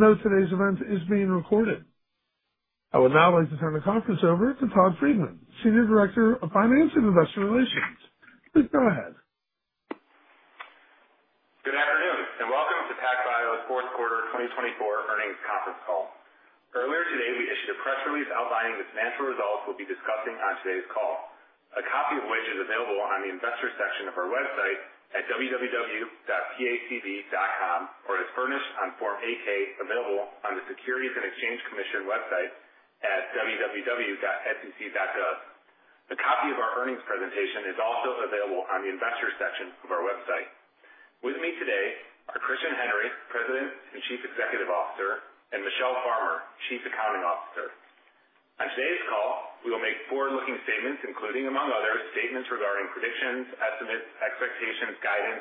Note today's event is being recorded. I would now like to turn the conference over to Todd Friedman, Senior Director of Finance and Investor Relations. Please go ahead. Good afternoon and welcome to PacBio's fourth quarter 2024 earnings conference call. Earlier today, we issued a press release outlining the financial results we'll be discussing on today's call, a copy of which is available on the investor section of our website at www.pacb.com or as furnished on Form 8-K available on the Securities and Exchange Commission website at www.sec.gov. A copy of our earnings presentation is also available on the investor section of our website. With me today are Christian Henry, President and Chief Executive Officer, and Michele Farmer, Chief Accounting Officer. On today's call, we will make forward-looking statements, including, among others, statements regarding predictions, estimates, expectations, guidance,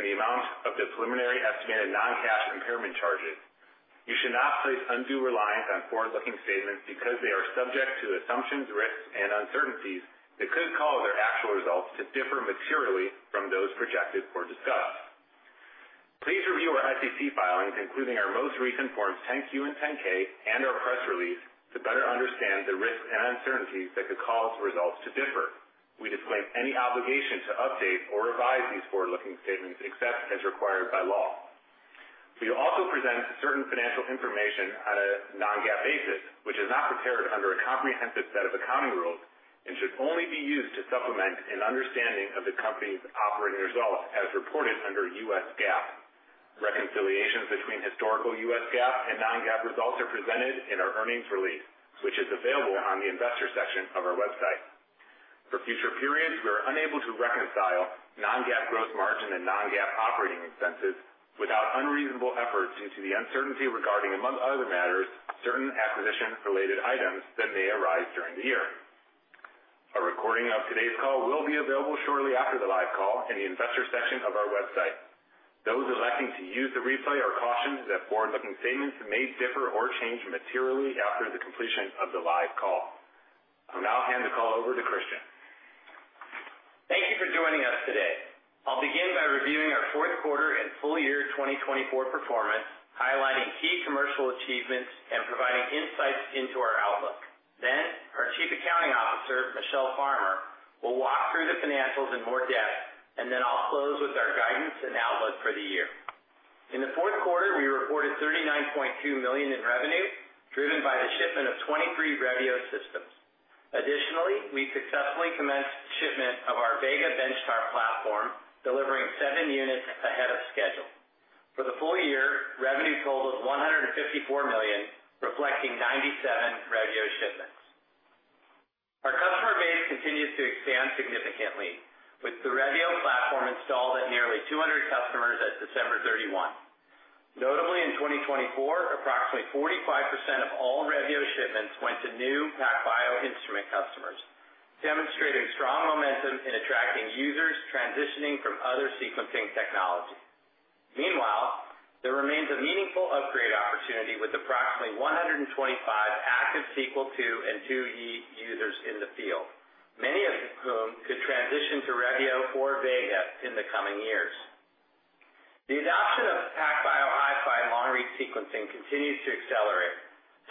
and the amount of the preliminary estimated non-cash impairment charges. You should not place undue reliance on forward-looking statements because they are subject to assumptions, risks, and uncertainties that could cause our actual results to differ materially from those projected or discussed. Please review our SEC filings, including our most recent Forms 10-Q and 10-K, and our press release to better understand the risks and uncertainties that could cause results to differ. We disclaim any obligation to update or revise these forward-looking statements except as required by law. We also present certain financial information on a non-GAAP basis, which is not prepared under a comprehensive set of accounting rules and should only be used to supplement an understanding of the company's operating results as reported under U.S. GAAP. Reconciliations between historical U.S. GAAP and non-GAAP results are presented in our earnings release, which is available on the investor section of our website. For future periods, we are unable to reconcile non-GAAP gross margin and non-GAAP operating expenses without unreasonable efforts due to the uncertainty regarding, among other matters, certain acquisition-related items that may arise during the year. A recording of today's call will be available shortly after the live call in the investor section of our website. Those electing to use the replay are cautioned that forward-looking statements may differ or change materially after the completion of the live call. I'll now hand the call over to Christian. Thank you for joining us today. I'll begin by reviewing our fourth quarter and full year 2024 performance, highlighting key commercial achievements and providing insights into our outlook. Then, our Chief Accounting Officer, Michele Farmer, will walk through the financials in more depth, and then I'll close with our guidance and outlook for the year. In the fourth quarter, we reported $39.2 million in revenue driven by the shipment of 23 Revio systems. Additionally, we successfully commenced shipment of our Vega benchtop platform, delivering seven units ahead of schedule. For the full year, revenue totaled $154 million, reflecting 97 Revio shipments. Our customer base continues to expand significantly, with the Revio platform installed at nearly 200 customers as of 31 December. Notably, in 2024, approximately 45% of all Revio shipments went to new PacBio instrument customers, demonstrating strong momentum in attracting users transitioning from other sequencing technologies. Meanwhile, there remains a meaningful upgrade opportunity with approximately 125 active Sequel II and Sequel IIe users in the field, many of whom could transition to Revio or Vega in the coming years. The adoption of PacBio HiFi long-read sequencing continues to accelerate.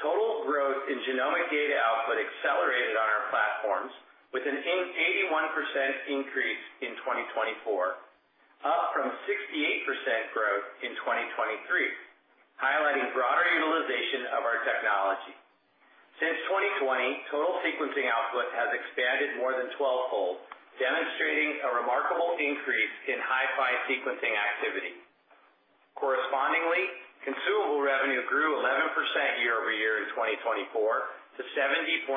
Total growth in genomic data output accelerated on our platforms, with an 81% increase in 2024, up from 68% growth in 2023, highlighting broader utilization of our technology. Since 2020, total sequencing output has expanded more than twelfold, demonstrating a remarkable increase in HiFi sequencing activity. Correspondingly, consumable revenue grew 11% year over year in 2024 to $70.4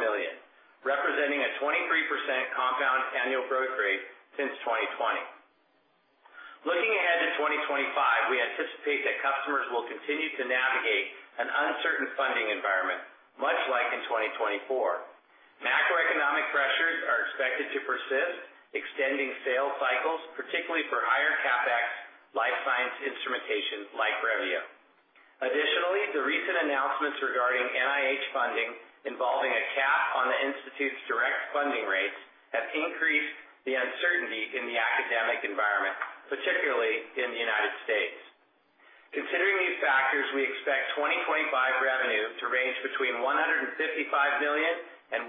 million, representing a 23% compound annual growth rate since 2020. Looking ahead to 2025, we anticipate that customers will continue to navigate an uncertain funding environment, much like in 2024. Macroeconomic pressures are expected to persist, extending sales cycles, particularly for higher CapEx life science instrumentation like Revio. Additionally, the recent announcements regarding NIH funding involving a cap on the institute's direct funding rates have increased the uncertainty in the academic environment, particularly in the United States. Considering these factors, we expect 2025 revenue to range between $155 million and $170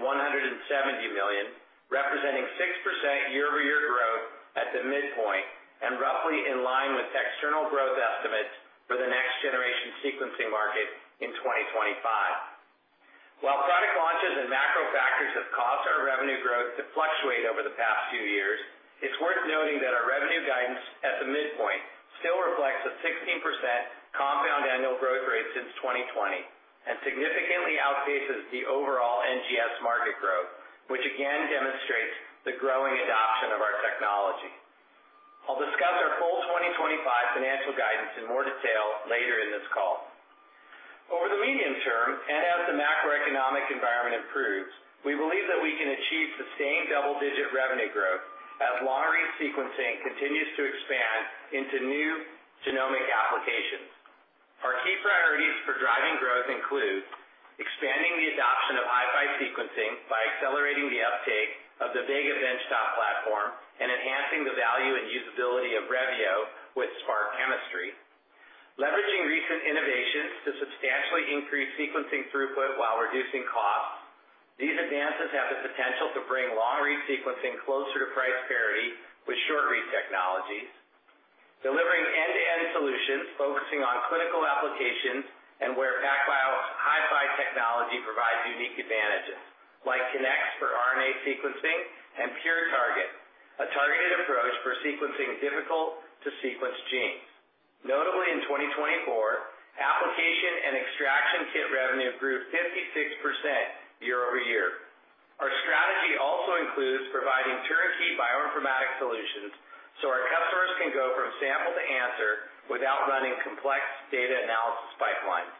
million, representing 6% year-over-year growth at the midpoint and roughly in line with external growth estimates for the next-generation sequencing market in 2025. While product launches and macro factors have caused our revenue growth to fluctuate over the past few years, it's worth noting that our revenue guidance at the midpoint still reflects a 16% compound annual growth rate since 2020 and significantly outpaces the overall NGS market growth, which again demonstrates the growing adoption of our technology. I'll discuss our full 2025 financial guidance in more detail later in this call. Over the medium term and as the macroeconomic environment improves, we believe that we can achieve sustained double-digit revenue growth as long-read sequencing continues to expand into new genomic applications. Our key priorities for driving growth include expanding the adoption of HiFi sequencing by accelerating the uptake of the Vega benchtop platform and enhancing the value and usability of Revio with SPRQ chemistry, leveraging recent innovations to substantially increase sequencing throughput while reducing costs. These advances have the potential to bring long-read sequencing closer to price parity with short-read technologies, delivering end-to-end solutions focusing on clinical applications and where PacBio HiFi technology provides unique advantages, like Kinnex for RNA sequencing and PureTarget, a targeted approach for sequencing difficult-to-sequence genes. Notably, in 2024, application and extraction kit revenue grew 56% year over year. Our strategy also includes providing turnkey bioinformatic solutions so our customers can go from sample to answer without running complex data analysis pipelines.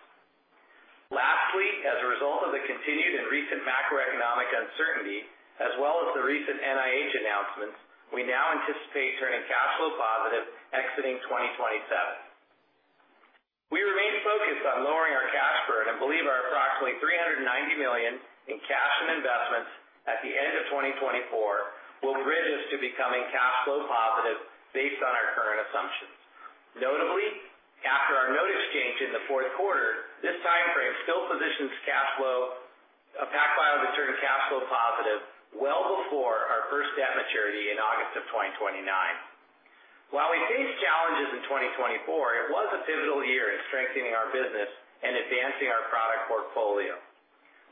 Lastly, as a result of the continued and recent macroeconomic uncertainty, as well as the recent NIH announcements, we now anticipate turning cash flow positive exiting 2027. We remain focused on lowering our cash burn and believe our approximately $390 million in cash and investments at the end of 2024 will bridge us to becoming cash flow positive based on our current assumptions. Notably, after our note exchange in the fourth quarter, this timeframe still positions cash flow of PacBio to turn cash flow positive well before our first debt maturity in August of 2029. While we face challenges in 2024, it was a pivotal year in strengthening our business and advancing our product portfolio.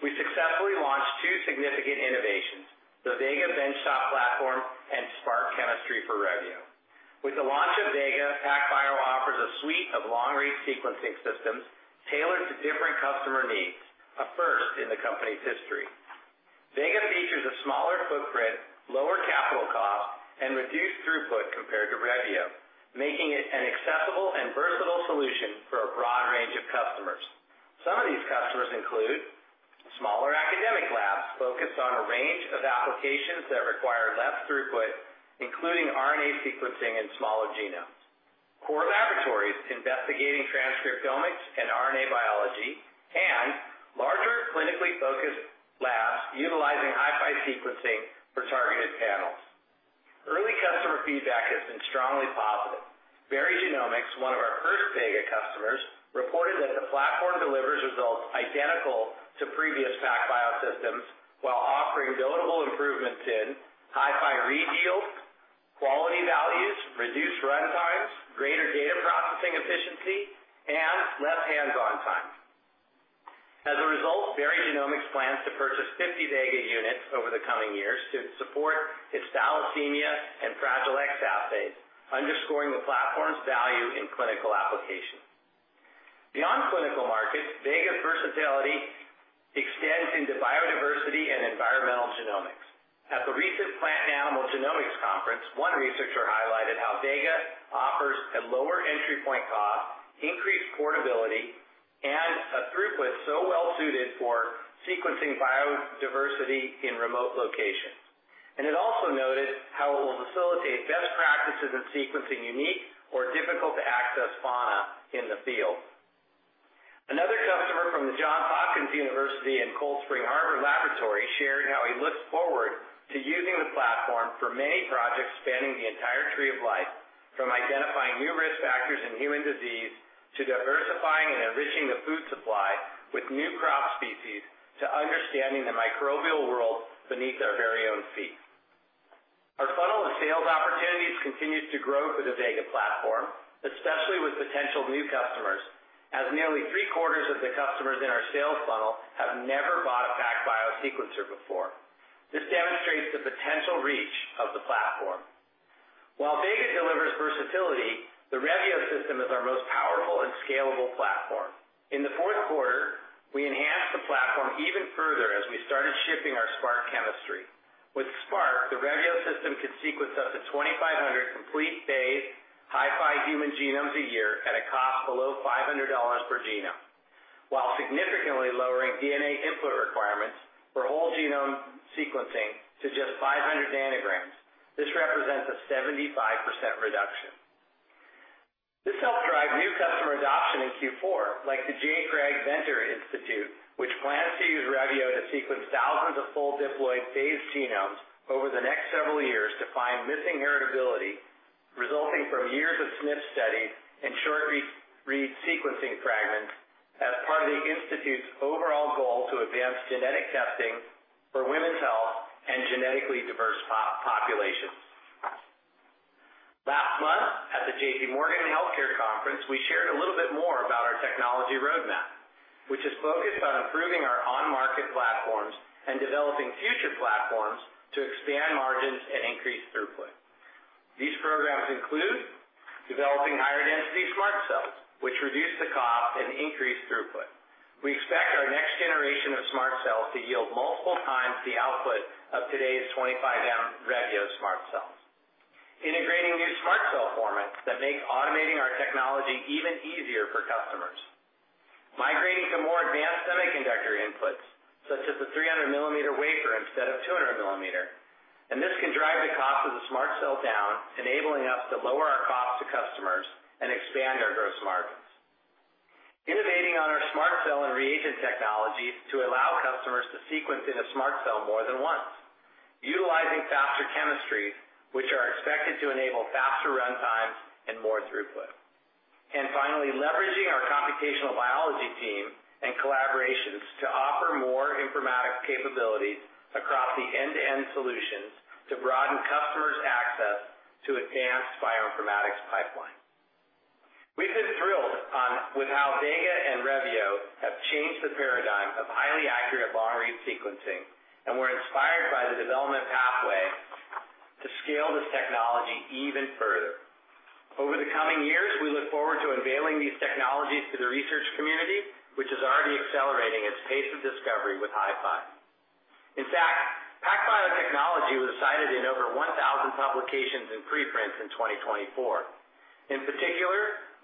We successfully launched two significant innovations, the Vega benchtop platform and Spark chemistry for Revio. With the launch of Vega, PacBio offers a suite of long-read sequencing systems tailored to different customer needs, a first in the company's history. Vega features a smaller footprint, lower capital cost, and reduced throughput compared to Revio, making it an accessible and versatile solution for a broad range of customers. Some of these customers include smaller academic labs focused on a range of applications that require less throughput, including RNA sequencing in smaller genomes, core laboratories investigating transcriptomics and RNA biology, and larger clinically focused labs utilizing HiFi sequencing for targeted panels. Early customer feedback has been strongly positive. Berry Genomics, one of our first Vega customers, reported that the platform delivers results identical to previous PacBio systems while offering notable improvements in HiFi read yield, quality values, reduced run times, greater data processing efficiency, and less hands-on time. As a result, Berry Genomics plans to purchase 50 Vega units over the coming years to support its thalassemia and Fragile X assays, underscoring the platform's value in clinical application. Beyond clinical markets, Vega's versatility extends into biodiversity and environmental genomics. At the recent Plant and Animal Genomics Conference, one researcher highlighted how Vega offers a lower entry point cost, increased portability, and a throughput so well-suited for sequencing biodiversity in remote locations, and it also noted how it will facilitate best practices in sequencing unique or difficult-to-access fauna in the field. Another customer from the Johns Hopkins University and Cold Spring Harbor Laboratory shared how he looks forward to using the platform for many projects spanning the entire tree of life, from identifying new risk factors in human disease to diversifying and enriching the food supply with new crop species to understanding the microbial world beneath our very own feet. Our funnel of sales opportunities continues to grow for the Vega platform, especially with potential new customers, as nearly three-quarters of the customers in our sales funnel have never bought a PacBio sequencer before. This demonstrates the potential reach of the platform. While Vega delivers versatility, the Revio system is our most powerful and scalable platform. In the fourth quarter, we enhanced the platform even further as we started shipping our SPRQ chemistry. With Spark, the Revio system could sequence up to 2,500 complete phase HiFi human genomes a year at a cost below $500 per genome, while significantly lowering DNA input requirements for whole genome sequencing to just 500 nanograms. This represents a 75% reduction. This helped drive new customer adoption in Q4, like the J. Craig Venter Institute, which plans to use Revio to sequence thousands of fully-phased genomes over the next several years to find missing heritability resulting from years of SNP studies and short-read sequencing fragments as part of the institute's overall goal to advance genetic testing for women's health and genetically diverse populations. Last month, at the J.P. Morgan Healthcare Conference, we shared a little bit more about our technology roadmap, which is focused on improving our on-market platforms and developing future platforms to expand margins and increase throughput. These programs include developing higher-density SMRT cells, which reduce the cost and increase throughput. We expect our next generation of SMRT cells to yield multiple times the output of today's 25 million Revio SMRT cells, integrating new SMRT cell formats that make automating our technology even easier for customers, migrating to more advanced semiconductor inputs, such as the 300-millimeter wafer instead of 200-millimeter wafer. This can drive the cost of the SMRT cell down, enabling us to lower our cost to customers and expand our gross margins, innovating on our SMRT cell and reagent technologies to allow customers to sequence in a SMRT cell more than once, utilizing faster chemistries, which are expected to enable faster run times and more throughput. Finally, leveraging our computational biology team and collaborations to offer more informatics capabilities across the end-to-end solutions to broaden customers' access to advanced bioinformatics pipelines. We've been thrilled with how Vega and Revio have changed the paradigm of highly accurate long-read sequencing, and we're inspired by the development pathway to scale this technology even further. Over the coming years, we look forward to unveiling these technologies to the research community, which is already accelerating its pace of discovery with HiFi. In fact, PacBio technology was cited in over 1,000 publications and preprints in 2024. In particular,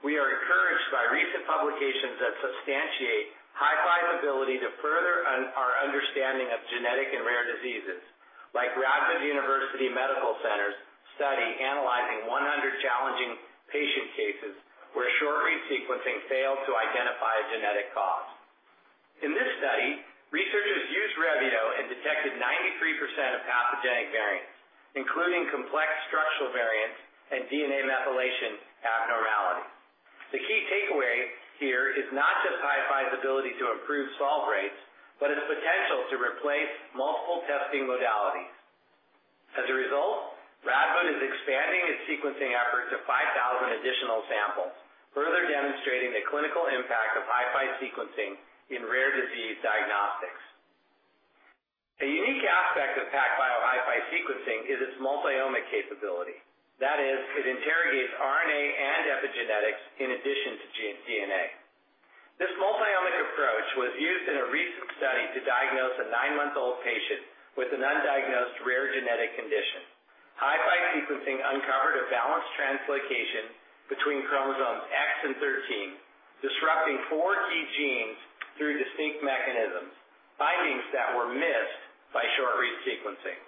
we are encouraged by recent publications that substantiate HiFi's ability to further our understanding of genetic and rare diseases, like Radboud University Medical Center's study analyzing 100 challenging patient cases where short-read sequencing failed to identify a genetic cause. In this study, researchers used Revio and detected 93% of pathogenic variants, including complex structural variants and DNA methylation abnormalities. The key takeaway here is not just PacBio's ability to improve solve rates, but its potential to replace multiple testing modalities. As a result, Radboud University Medical Center is expanding its sequencing efforts to 5,000 additional samples, further demonstrating the clinical impact of HiFi sequencing in rare disease diagnostics. A unique aspect of PacBio HiFi sequencing is its multi-omic capability. That is, it interrogates RNA and epigenetics in addition to DNA. This multi-omic approach was used in a recent study to diagnose a nine-month-old patient with an undiagnosed rare genetic condition. HiFi sequencing uncovered a balanced translocation between chromosomes X and 13, disrupting four key genes through distinct mechanisms, findings that were missed by short-read sequencing.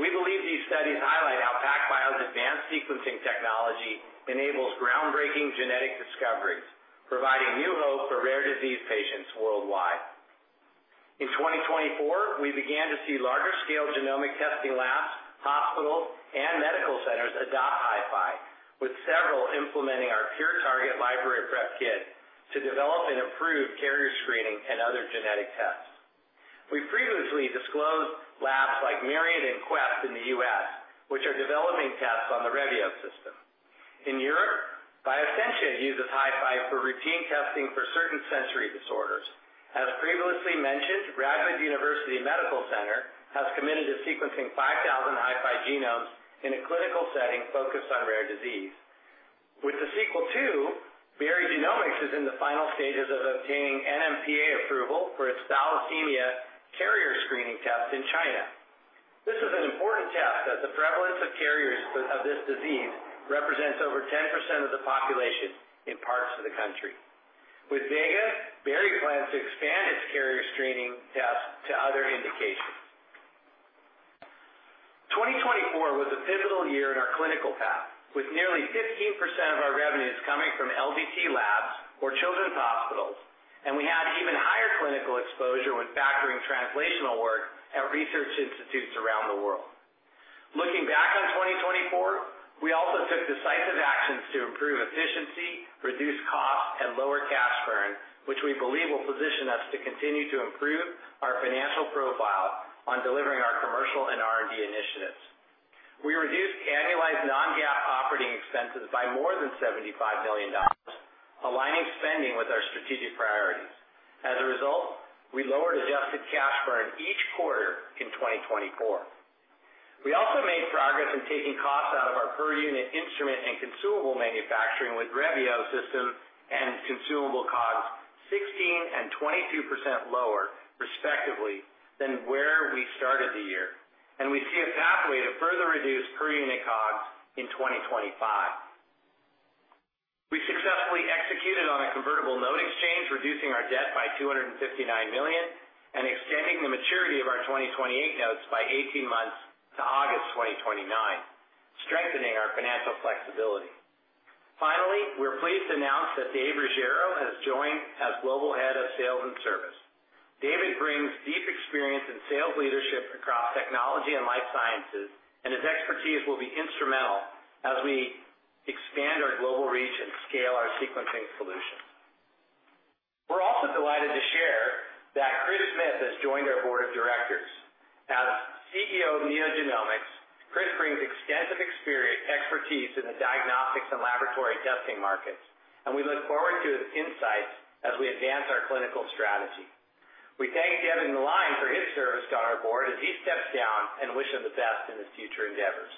We believe these studies highlight how PacBio's advanced sequencing technology enables groundbreaking genetic discoveries, providing new hope for rare disease patients worldwide. In 2024, we began to see larger-scale genomic testing labs, hospitals, and medical centers adopt HiFi, with several implementing our PureTarget library prep kit to develop and improve carrier screening and other genetic tests. We previously disclosed labs like Myriad and Quest in the U.S., which are developing tests on the Revio system. In Europe, Biosentia uses HiFi for routine testing for certain sensory disorders. As previously mentioned, Radboud University Medical Center has committed to sequencing 5,000 HiFi genomes in a clinical setting focused on rare disease. With the Sequel II, Berry Genomics is in the final stages of obtaining NMPA approval for its thalassemia carrier screening test in China. This is an important test as the prevalence of carriers of this disease represents over 10% of the population in parts of the country. With Vega, Berry plans to expand its carrier screening tests to other indications. 2024 was a pivotal year in our clinical path, with nearly 15% of our revenues coming from LDT labs or children's hospitals, and we had even higher clinical exposure when factoring translational work at research institutes around the world. Looking back on 2024, we also took decisive actions to improve efficiency, reduce costs, and lower cash burn, which we believe will position us to continue to improve our financial profile on delivering our commercial and R&D initiatives. We reduced annualized non-GAAP operating expenses by more than $75 million, aligning spending with our strategic priorities. As a result, we lowered adjusted cash burn each quarter in 2024. We also made progress in taking costs out of our per-unit instrument and consumable manufacturing with Revio system and consumable COGS 16% and 22% lower, respectively, than where we started the year, and we see a pathway to further reduce per-unit COGS in 2025. We successfully executed on a convertible note exchange, reducing our debt by $259 million and extending the maturity of our 2028 notes by 18 months to August 2029, strengthening our financial flexibility. Finally, we're pleased to announce that David Ruggiero has joined as Global Head of Sales and Service. David brings deep experience in sales leadership across technology and life sciences, and his expertise will be instrumental as we expand our global reach and scale our sequencing solutions. We're also delighted to share that Chris Smith has joined our board of directors. As CEO of NeoGenomics, Chris brings extensive expertise in the diagnostics and laboratory testing markets, and we look forward to his insights as we advance our clinical strategy. We thank David Meline for his service to our board as he steps down and wish him the best in his future endeavors.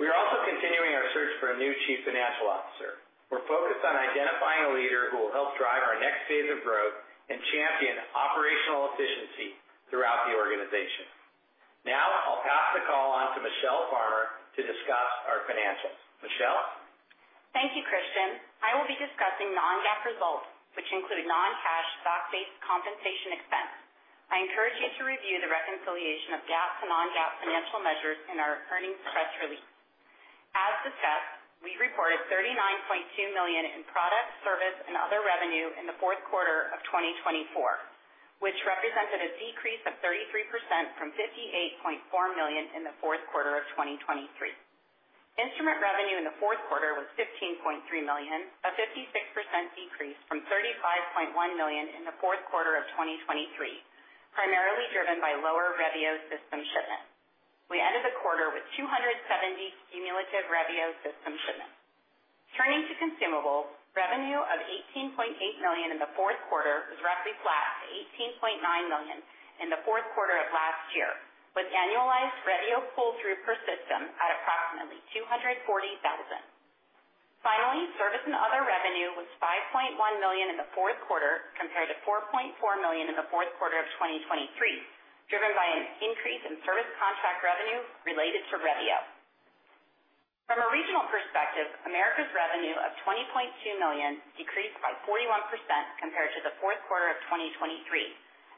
We are also continuing our search for a new Chief Financial Officer. We're focused on identifying a leader who will help drive our next phase of growth and champion operational efficiency throughout the organization. Now, I'll pass the call on to Michele Farmer to discuss our financials. Michele? Thank you, Christian. I will be discussing non-GAAP results, which include non-cash stock-based compensation expense. I encourage you to review the reconciliation of GAAP to non-GAAP financial measures in our earnings press release. As discussed, we reported $39.2 million in product, service, and other revenue in the fourth quarter of 2024, which represented a decrease of 33% from $58.4 million in the fourth quarter of 2023. Instrument revenue in the fourth quarter was $15.3 million, a 56% decrease from $35.1 million in the fourth quarter of 2023, primarily driven by lower Revio system shipments. We ended the quarter with 270 cumulative Revio system shipments. Turning to consumables, revenue of $18.8 million in the fourth quarter was roughly flat to $18.9 million in the fourth quarter of last year, with annualized Revio pull-through per system at approximately $240,000. Finally, service and other revenue was $5.1 million in the fourth quarter compared to $4.4 million in the fourth quarter of 2023, driven by an increase in service contract revenue related to Revio. From a regional perspective, Americas revenue of $20.2 million decreased by 41% compared to the fourth quarter of 2023,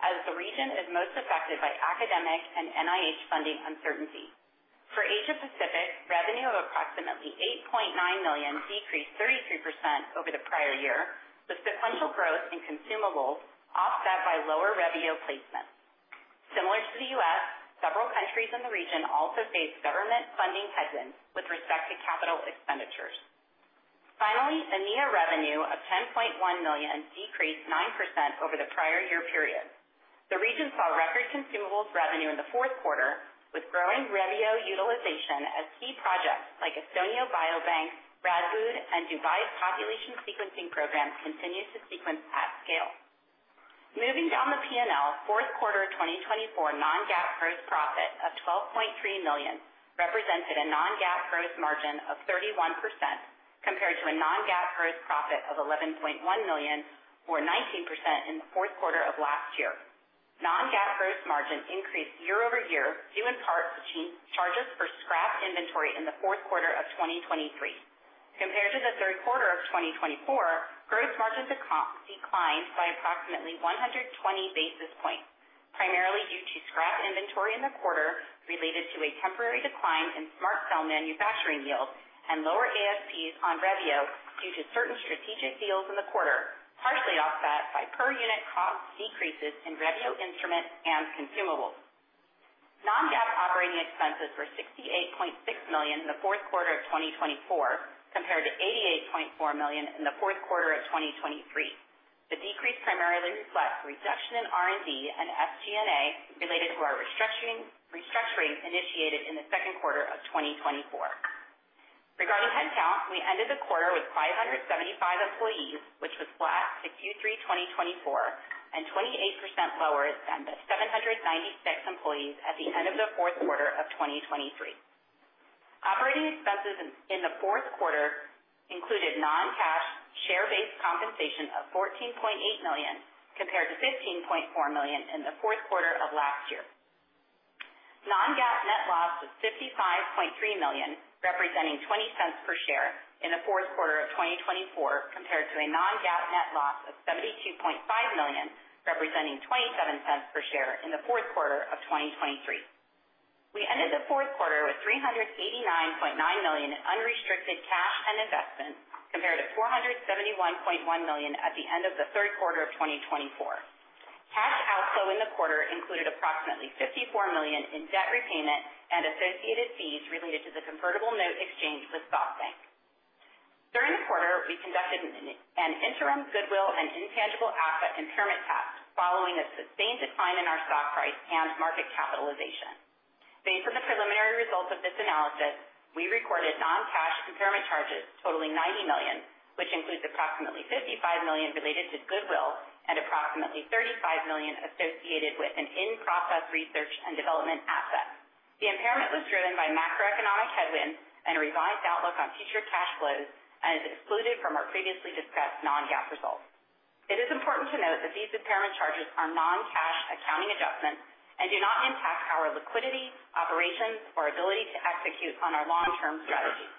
as the region is most affected by academic and NIH funding uncertainty. For Asia-Pacific, revenue of approximately $8.9 million decreased 33% over the prior year, with sequential growth in consumables offset by lower Revio placements. Similar to the US, several countries in the region also faced government funding headwinds with respect to capital expenditures. Finally, EMEA revenue of $10.1 million decreased 9% over the prior year period. The region saw record consumables revenue in the fourth quarter, with growing Revio utilization as key projects like Estonia Biobank, Radboud, and Dubai's population sequencing program continued to sequence at scale. Moving down the P&L, fourth quarter of 2024 non-GAAP gross profit of $12.3 million represented a non-GAAP gross margin of 31% compared to a non-GAAP gross profit of $11.1 million, or 19% in the fourth quarter of last year. Non-GAAP gross margin increased year over year due in part to charges for scrap inventory in the fourth quarter of 2023. Compared to the third quarter of 2024, gross margins declined by approximately 120 basis points, primarily due to scrap inventory in the quarter related to a temporary decline in SMRT Cell manufacturing yields and lower ASPs on Revio due to certain strategic deals in the quarter, partially offset by per-unit cost decreases in Revio instrument and consumables. Non-GAAP operating expenses were $68.6 million in the fourth quarter of 2024 compared to $88.4 million in the fourth quarter of 2023. The decrease primarily reflects a reduction in R&D and SG&A related to our restructuring initiated in the second quarter of 2024. Regarding headcount, we ended the quarter with 575 employees, which was flat to Q3 2024 and 28% lower than the 796 employees at the end of the fourth quarter of 2023. Operating expenses in the fourth quarter included non-cash share-based compensation of $14.8 million compared to $15.4 million in the fourth quarter of last year. Non-GAAP net loss was $55.3 million, representing $0.20 per share in the fourth quarter of 2024, compared to a non-GAAP net loss of $72.5 million, representing $0.27 per share in the fourth quarter of 2023. We ended the fourth quarter with $389.9 million in unrestricted cash and investment compared to $471.1 million at the end of the third quarter of 2024. Cash outflow in the quarter included approximately $54 million in debt repayment and associated fees related to the convertible note exchange with SoftBank. During the quarter, we conducted an interim Goodwill and Intangible Asset Impairment test following a sustained decline in our stock price and market capitalization. Based on the preliminary results of this analysis, we recorded non-cash impairment charges totaling $90 million, which includes approximately $55 million related to Goodwill and approximately $35 million associated with an in-process research and development asset. The impairment was driven by macroeconomic headwinds and a revised outlook on future cash flows and is excluded from our previously discussed non-GAAP results. It is important to note that these impairment charges are non-cash accounting adjustments and do not impact our liquidity, operations, or ability to execute on our long-term strategy.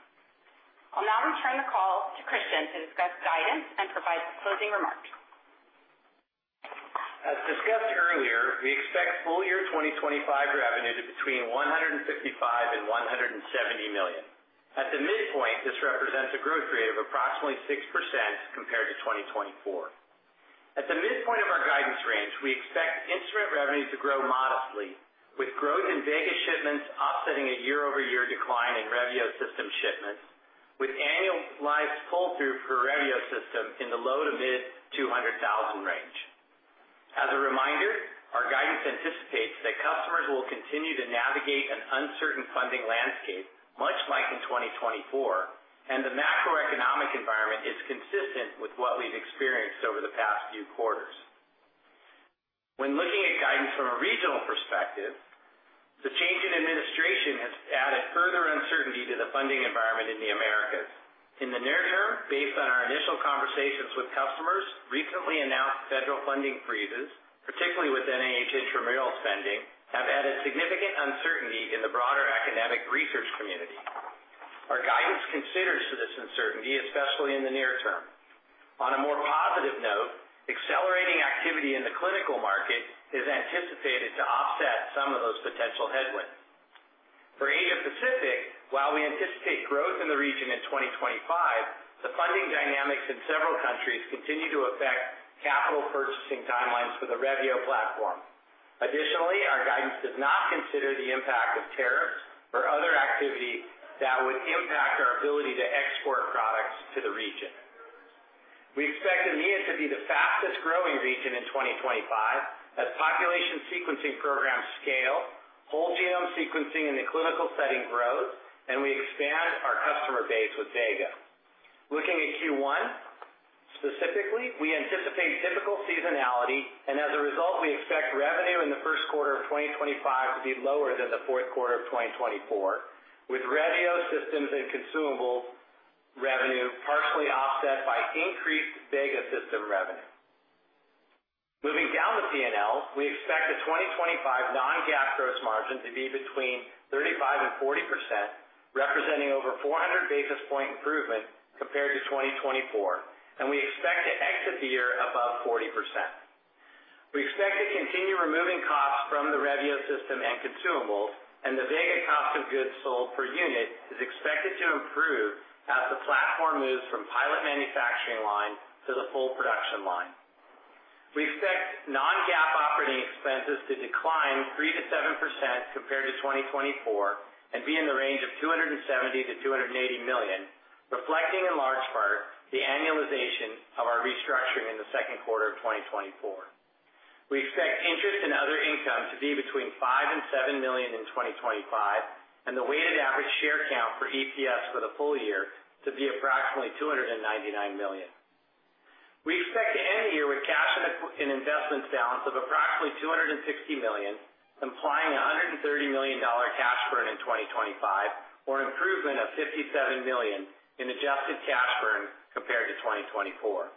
I'll now return the call to Christian to discuss guidance and provide the closing remarks. As discussed earlier, we expect full year 2025 revenue to be between $155 and $170 million. At the midpoint, this represents a growth rate of approximately 6% compared to 2024. At the midpoint of our guidance range, we expect instrument revenue to grow modestly, with growth in Vega shipments offsetting a year-over-year decline in Revio system shipments, with annualized pull-through per Revio system in the low to mid-$200,000 range. As a reminder, our guidance anticipates that customers will continue to navigate an uncertain funding landscape, much like in 2024, and the macroeconomic environment is consistent with what we've experienced over the past few quarters. When looking at guidance from a regional perspective, the change in administration has added further uncertainty to the funding environment in the Americas. In the near term, based on our initial conversations with customers, recently announced federal funding freezes, particularly with NIH intramural spending, have added significant uncertainty in the broader academic research community. Our guidance considers this uncertainty, especially in the near term. On a more positive note, accelerating activity in the clinical market is anticipated to offset some of those potential headwinds. For Asia-Pacific, while we anticipate growth in the region in 2025, the funding dynamics in several countries continue to affect capital purchasing timelines for the Revio platform. Additionally, our guidance does not consider the impact of tariffs or other activity that would impact our ability to export products to the region. We expect EMEA to be the fastest-growing region in 2025 as population sequencing programs scale, whole genome sequencing in the clinical setting grows, and we expand our customer base with Vega. Looking at Q1 specifically, we anticipate typical seasonality, and as a result, we expect revenue in the first quarter of 2025 to be lower than the fourth quarter of 2024, with Revio systems and consumables revenue partially offset by increased Vega system revenue. Moving down the P&L, we expect the 2025 non-GAAP gross margin to be between 35% and 40%, representing over 400 basis points improvement compared to 2024, and we expect to exit the year above 40%. We expect to continue removing costs from the Revio system and consumables, and the Vega cost of goods sold per unit is expected to improve as the platform moves from pilot manufacturing line to the full production line. We expect non-GAAP operating expenses to decline 3% to 7% compared to 2024 and be in the range of $270 million to $280 million, reflecting in large part the annualization of our restructuring in the second quarter of 2024. We expect interest and other income to be between $5 million and $7 million in 2025, and the weighted average share count for EPS for the full year to be approximately $299 million. We expect to end the year with cash and investment balance of approximately $260 million, implying a $130 million cash burn in 2025, or an improvement of $57 million in adjusted cash burn compared to 2024.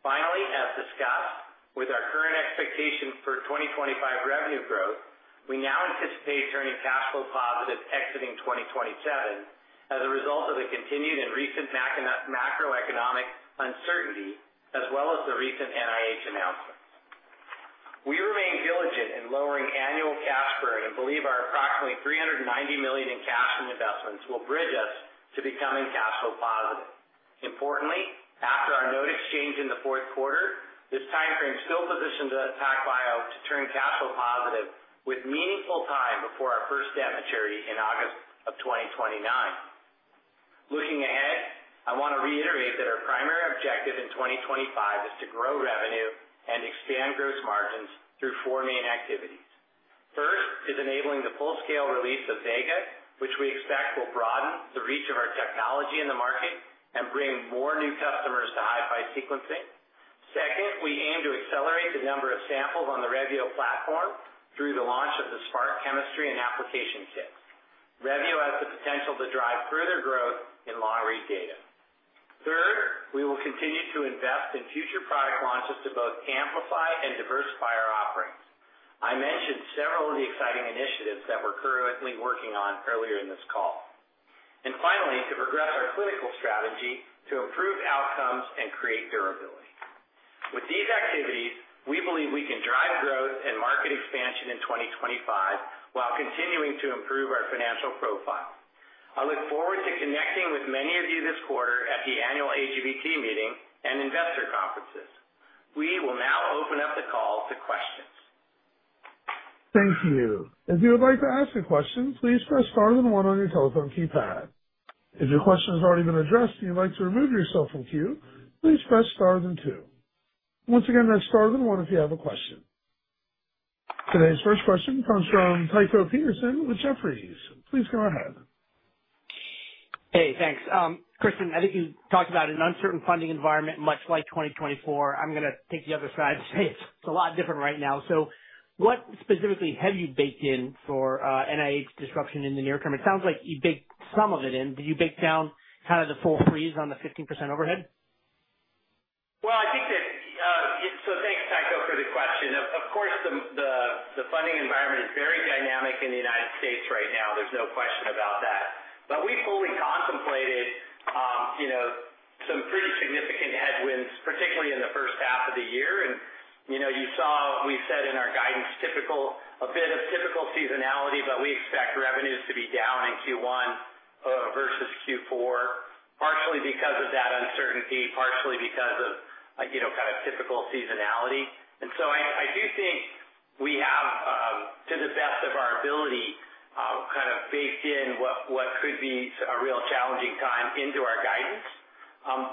Finally, as discussed, with our current expectation for 2025 revenue growth, we now anticipate turning cash flow positive exiting 2027 as a result of the continued and recent macroeconomic uncertainty, as well as the recent NIH announcements. We remain diligent in lowering annual cash burn and believe our approximately $390 million in cash and investments will bridge us to becoming cash flow positive. Importantly, after our note exchange in the fourth quarter, this timeframe still positions us at PacBio to turn cash flow positive with meaningful time before our first debt maturity in August of 2029. Looking ahead, I want to reiterate that our primary objective in 2025 is to grow revenue and expand gross margins through four main activities. First is enabling the full-scale release of Vega, which we expect will broaden the reach of our technology in the market and bring more new customers to HiFi sequencing. Second, we aim to accelerate the number of samples on the Revio platform through the launch of the SPRQ chemistry and Application Kit. Revio has the potential to drive further growth in long-read data. Third, we will continue to invest in future product launches to both amplify and diversify our offerings. I mentioned several of the exciting initiatives that we're currently working on earlier in this call. And finally, to progress our clinical strategy to improve outcomes and create durability. With these activities, we believe we can drive growth and market expansion in 2025 while continuing to improve our financial profile. I look forward to connecting with many of you this quarter at the annual AGBT meeting and investor conferences. We will now open up the call to questions. Thank you. If you would like to ask a question, please press star then one on your telephone keypad. If your question has already been addressed and you'd like to remove yourself from queue, please press star then two. Once again, that's star then one if you have a question. Today's first question comes from Tycho Peterson with Jefferies. Please go ahead. Hey, thanks. Christian, I think you talked about an uncertain funding environment, much like 2024. I'm going to take the other side and say it's a lot different right now. What specifically have you baked in for NIH disruption in the near term? It sounds like you baked some of it in. Did you bake down kind of the full freeze on the 15% overhead? Well, I think that, so thanks, Tycho, for the question. Of course, the funding environment is very dynamic in the United States right now. There's no question about that. But we fully contemplated some pretty significant headwinds, particularly in the first half of the year. And you saw, we said in our guidance, a bit of typical seasonality, but we expect revenues to be down in Q1 versus Q4, partially because of that uncertainty, partially because of kind of typical seasonality. And so I do think we have, to the best of our ability, kind of baked in what could be a real challenging time into our guidance.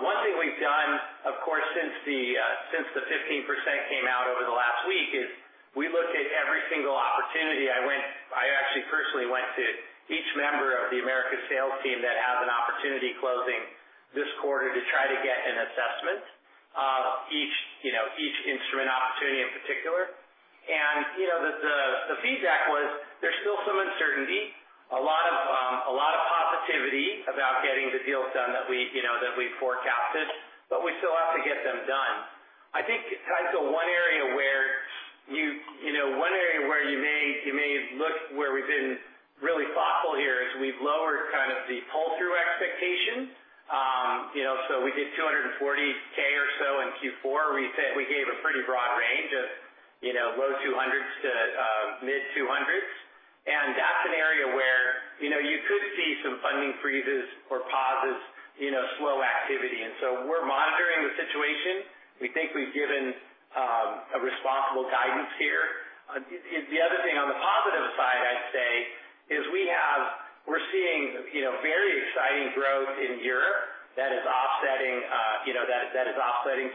One thing we've done, of course, since the 15% came out over the last week is we looked at every single opportunity. I actually personally went to each member of the Americas sales team that has an opportunity closing this quarter to try to get an assessment of each instrument opportunity in particular. And the feedback was there's still some uncertainty, a lot of positivity about getting the deals done that we forecasted, but we still have to get them done. I think, Tycho, one area where you may look where we've been really thoughtful here is we've lowered kind of the pull-through expectation. So we did $240K or so in Q4. We gave a pretty broad range of low 200s to mid-200s. And that's an area where you could see some funding freezes or pauses, slow activity. And so we're monitoring the situation. We think we've given a responsible guidance here. The other thing on the positive side, I'd say, is we're seeing very exciting growth in Europe that is offsetting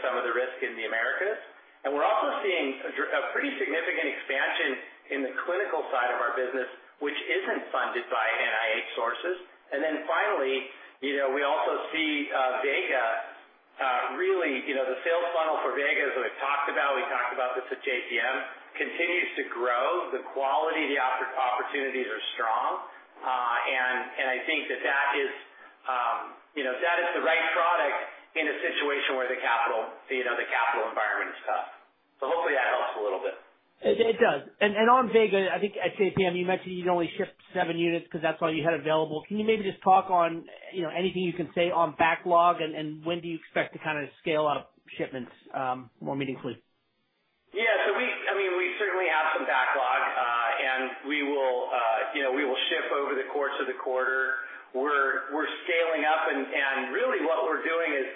some of the risk in the Americas. And we're also seeing a pretty significant expansion in the clinical side of our business, which isn't funded by NIH sources. And then finally, we also see Vega really, the sales funnel for Vega is what we've talked about. We talked about this at JPM, continues to grow. The quality, the opportunities are strong. And I think that that is the right product in a situation where the capital environment is tough. So hopefully that helps a little bit. It does. And on Vega, I think at JPM, you mentioned you'd only ship seven units because that's all you had available. Can you maybe just talk on anything you can say on backlog, and when do you expect to kind of scale up shipments more meaningfully? Yeah. So I mean, we certainly have some backlog, and we will ship over the course of the quarter. We're scaling up. And really what we're doing is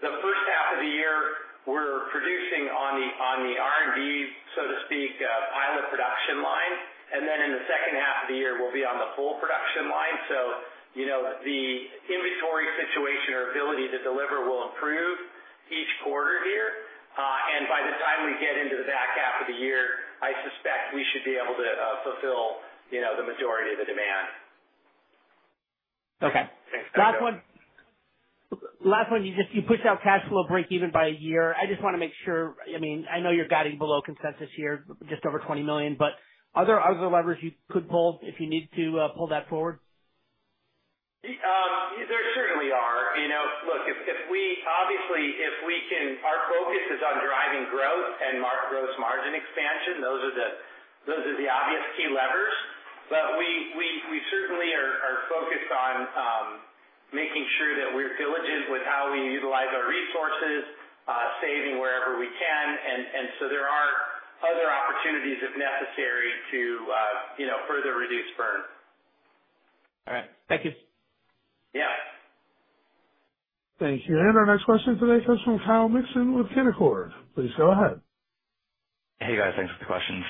the first half of the year, we're producing on the R&D, so to speak, pilot production line. And then in the second half of the year, we'll be on the full production line. So the inventory situation, our ability to deliver, will improve each quarter here. And by the time we get into the back half of the year, I suspect we should be able to fulfill the majority of the demand. Okay. Last one. Last one, you pushed out cash flow break-even by a year. I just want to make sure, I mean, I know you're guiding below consensus here, just over $20 million, but are there other levers you could pull if you need to pull that forward? There certainly are. Look, obviously, if we can, our focus is on driving growth and gross margin expansion. Those are the obvious key levers. But we certainly are focused on making sure that we're diligent with how we utilize our resources, saving wherever we can. And so there are other opportunities, if necessary, to further reduce burn. All right. Thank you. Yeah. Thank you. And our next question today comes from Kyle Mixon with Canaccord Genuity. Please go ahead. Hey, guys. Thanks for the questions.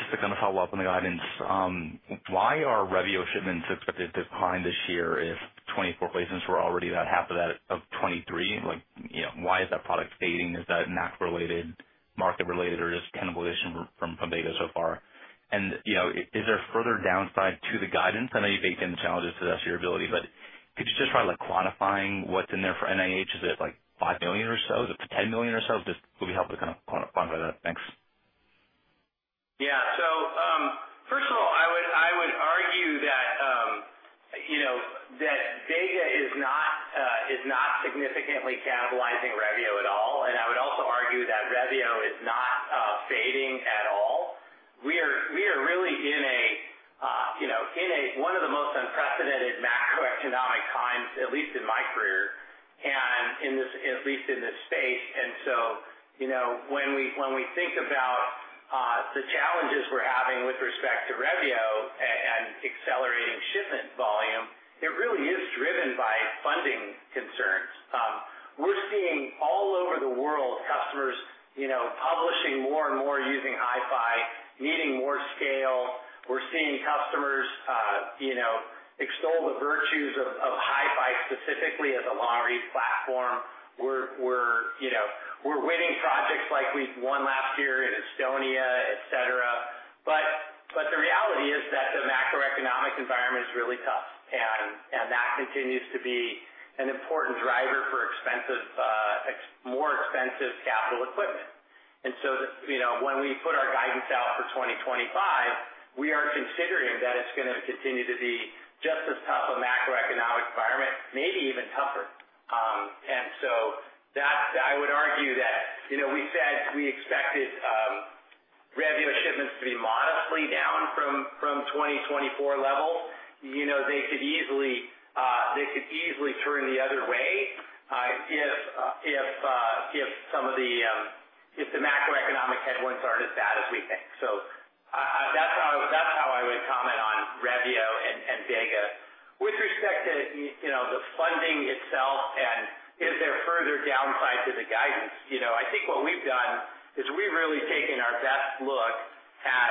Just to kind of follow up on the guidance. Why are Revio shipments expected to decline this year if 2024 placements were already about half of that of 2023? Why is that product fading? Is that NAC-related, market-related, or just cannibalization from Vega so far? And is there further downside to the guidance? I know you've baked in the challenges to that, so your ability, but could you just try quantifying what's in there for NIH? Is it like $5 million or so? Is it $10 million or so? Just would be helpful to kind of quantify that. Thanks. Yeah. So first of all, I would argue that Vega is not significantly cannibalizing Revio at all. And I would also argue that Revio is not fading at all. We are really in one of the most unprecedented macroeconomic times, at least in my career and at least in this space. And so when we think about the challenges we're having with respect to Revio and accelerating shipment volume, it really is driven by funding concerns. We're seeing all over the world customers publishing more and more using HiFi, needing more scale. We're seeing customers extol the virtues of HiFi specifically as a long-read platform. We're winning projects like we won last year in Estonia, etc. But the reality is that the macroeconomic environment is really tough, and that continues to be an important driver for more expensive capital equipment. And so when we put our guidance out for 2025, we are considering that it's going to continue to be just as tough a macroeconomic environment, maybe even tougher. And so I would argue that we said we expected Revio shipments to be modestly down from 2024 levels. They could easily turn the other way if some of the macroeconomic headwinds aren't as bad as we think. So that's how I would comment on Revio and Vega with respect to the funding itself and is there further downside to the guidance. I think what we've done is we've really taken our best look at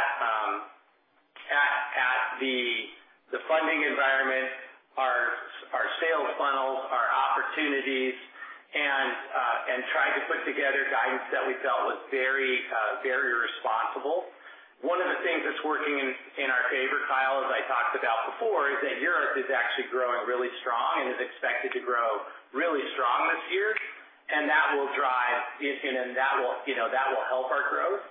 the funding environment, our sales funnels, our opportunities, and tried to put together guidance that we felt was very responsible. One of the things that's working in our favor, Kyle, as I talked about before, is that Europe is actually growing really strong and is expected to grow really strong this year. And that will drive, and that will help our growth.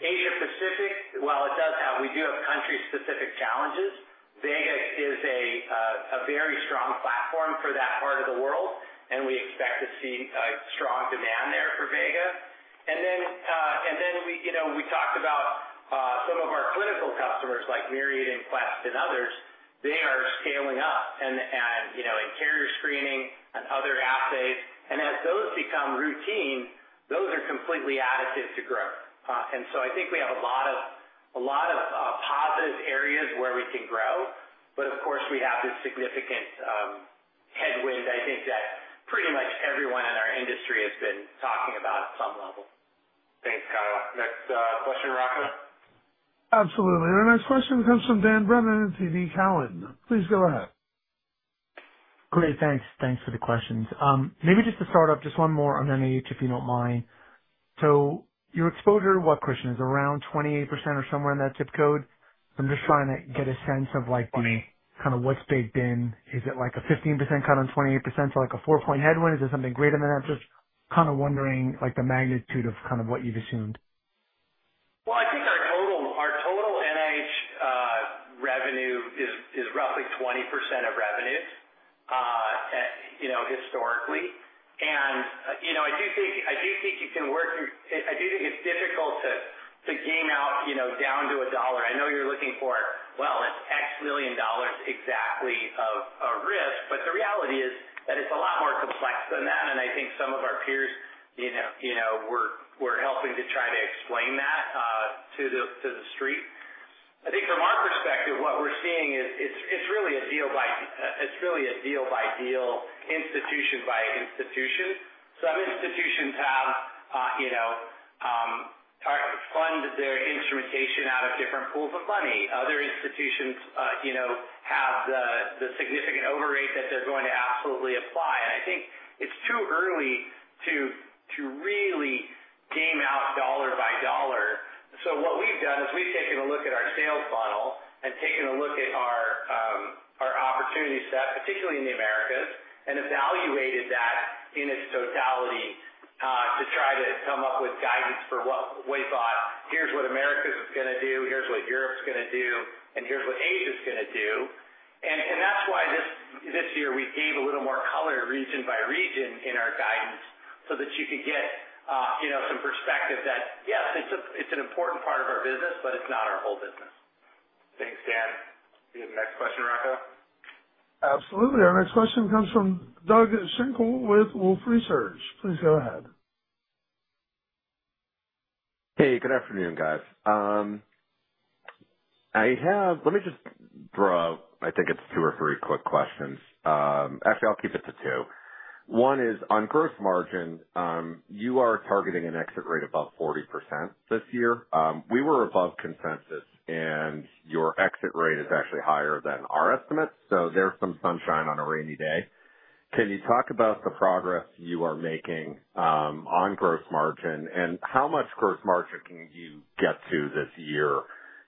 Asia-Pacific, while it does have, we do have country-specific challenges. Vega is a very strong platform for that part of the world, and we expect to see strong demand there for Vega. And then we talked about some of our clinical customers like Myriad and Quest and others. They are scaling up in carrier screening and other assays. And as those become routine, those are completely additive to growth. And so I think we have a lot of positive areas where we can grow. But of course, we have this significant headwind, I think, that pretty much everyone in our industry has been talking about at some level. Thanks, Kyle. Next question, Rachel? Absolutely. Our next question comes from Dan Brennan of TD Cowen. Please go ahead. Great. Thanks. Thanks for the questions. Maybe just to start off, just one more on NIH, if you don't mind. So your exposure, what question? Is it around 28% or somewhere in that zip code? I'm just trying to get a sense of kind of what's baked in. Is it like a 15% cut on 28% to like a four-point headwind? Is it something greater than that? Just kind of wondering the magnitude of kind of what you've assumed? Well, I think our total NIH revenue is roughly 20% of revenues historically. I do think it's difficult to game out down to a dollar. I know you're looking for, well, it's X million dollars exactly of risk, but the reality is that it's a lot more complex than that. I think some of our peers were helping to try to explain that to the street. I think from our perspective, what we're seeing is it's really a deal by deal, institution by institution. Some institutions have funded their instrumentation out of different pools of money. Other institutions have the significant overhead rate that they're going to absolutely apply. I think it's too early to really game out dollar by dollar. So what we've done is we've taken a look at our sales funnel and taken a look at our opportunity set, particularly in the Americas, and evaluated that in its totality to try to come up with guidance for what we thought, "Here's what America's going to do. Here's what Europe's going to do. And here's what Asia's going to do." And that's why this year we gave a little more color region by region in our guidance so that you could get some perspective that, yes, it's an important part of our business, but it's not our whole business. Thanks, Dan. We have the next question, Rachel. Absolutely. Our next question comes from Doug Schenkel with Wolfe Research. Please go ahead. Hey, good afternoon, guys. Let me just draw. I think it's two or three quick questions. Actually, I'll keep it to two. One is on gross margin, you are targeting an exit rate above 40% this year. We were above consensus, and your exit rate is actually higher than our estimates, so there's some sunshine on a rainy day. Can you talk about the progress you are making on gross margin and how much gross margin can you get to this year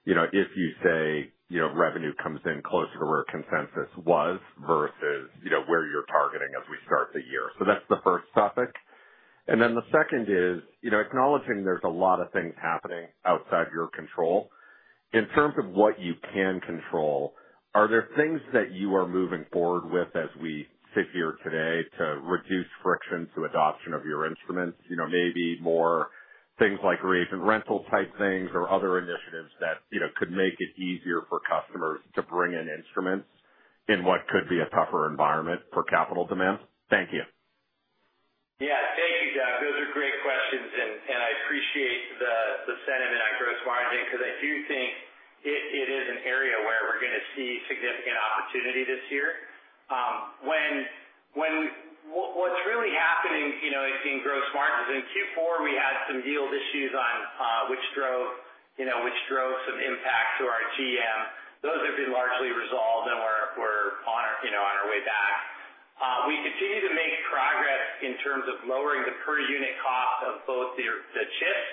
if you say revenue comes in closer to where consensus was versus where you're targeting as we start the year, so that's the first topic, and then the second is acknowledging there's a lot of things happening outside your control. In terms of what you can control, are there things that you are moving forward with as we sit here today to reduce friction to adoption of your instruments? Maybe more things like reagent rental type things or other initiatives that could make it easier for customers to bring in instruments in what could be a tougher environment for capital demand? Thank you. Yeah. Thank you, Doug. Those are great questions. And I appreciate the sentiment on gross margin because I do think it is an area where we're going to see significant opportunity this year. What's really happening in gross margins, in Q4, we had some yield issues which drove some impact to our GM. Those have been largely resolved, and we're on our way back. We continue to make progress in terms of lowering the per-unit cost of both the chips,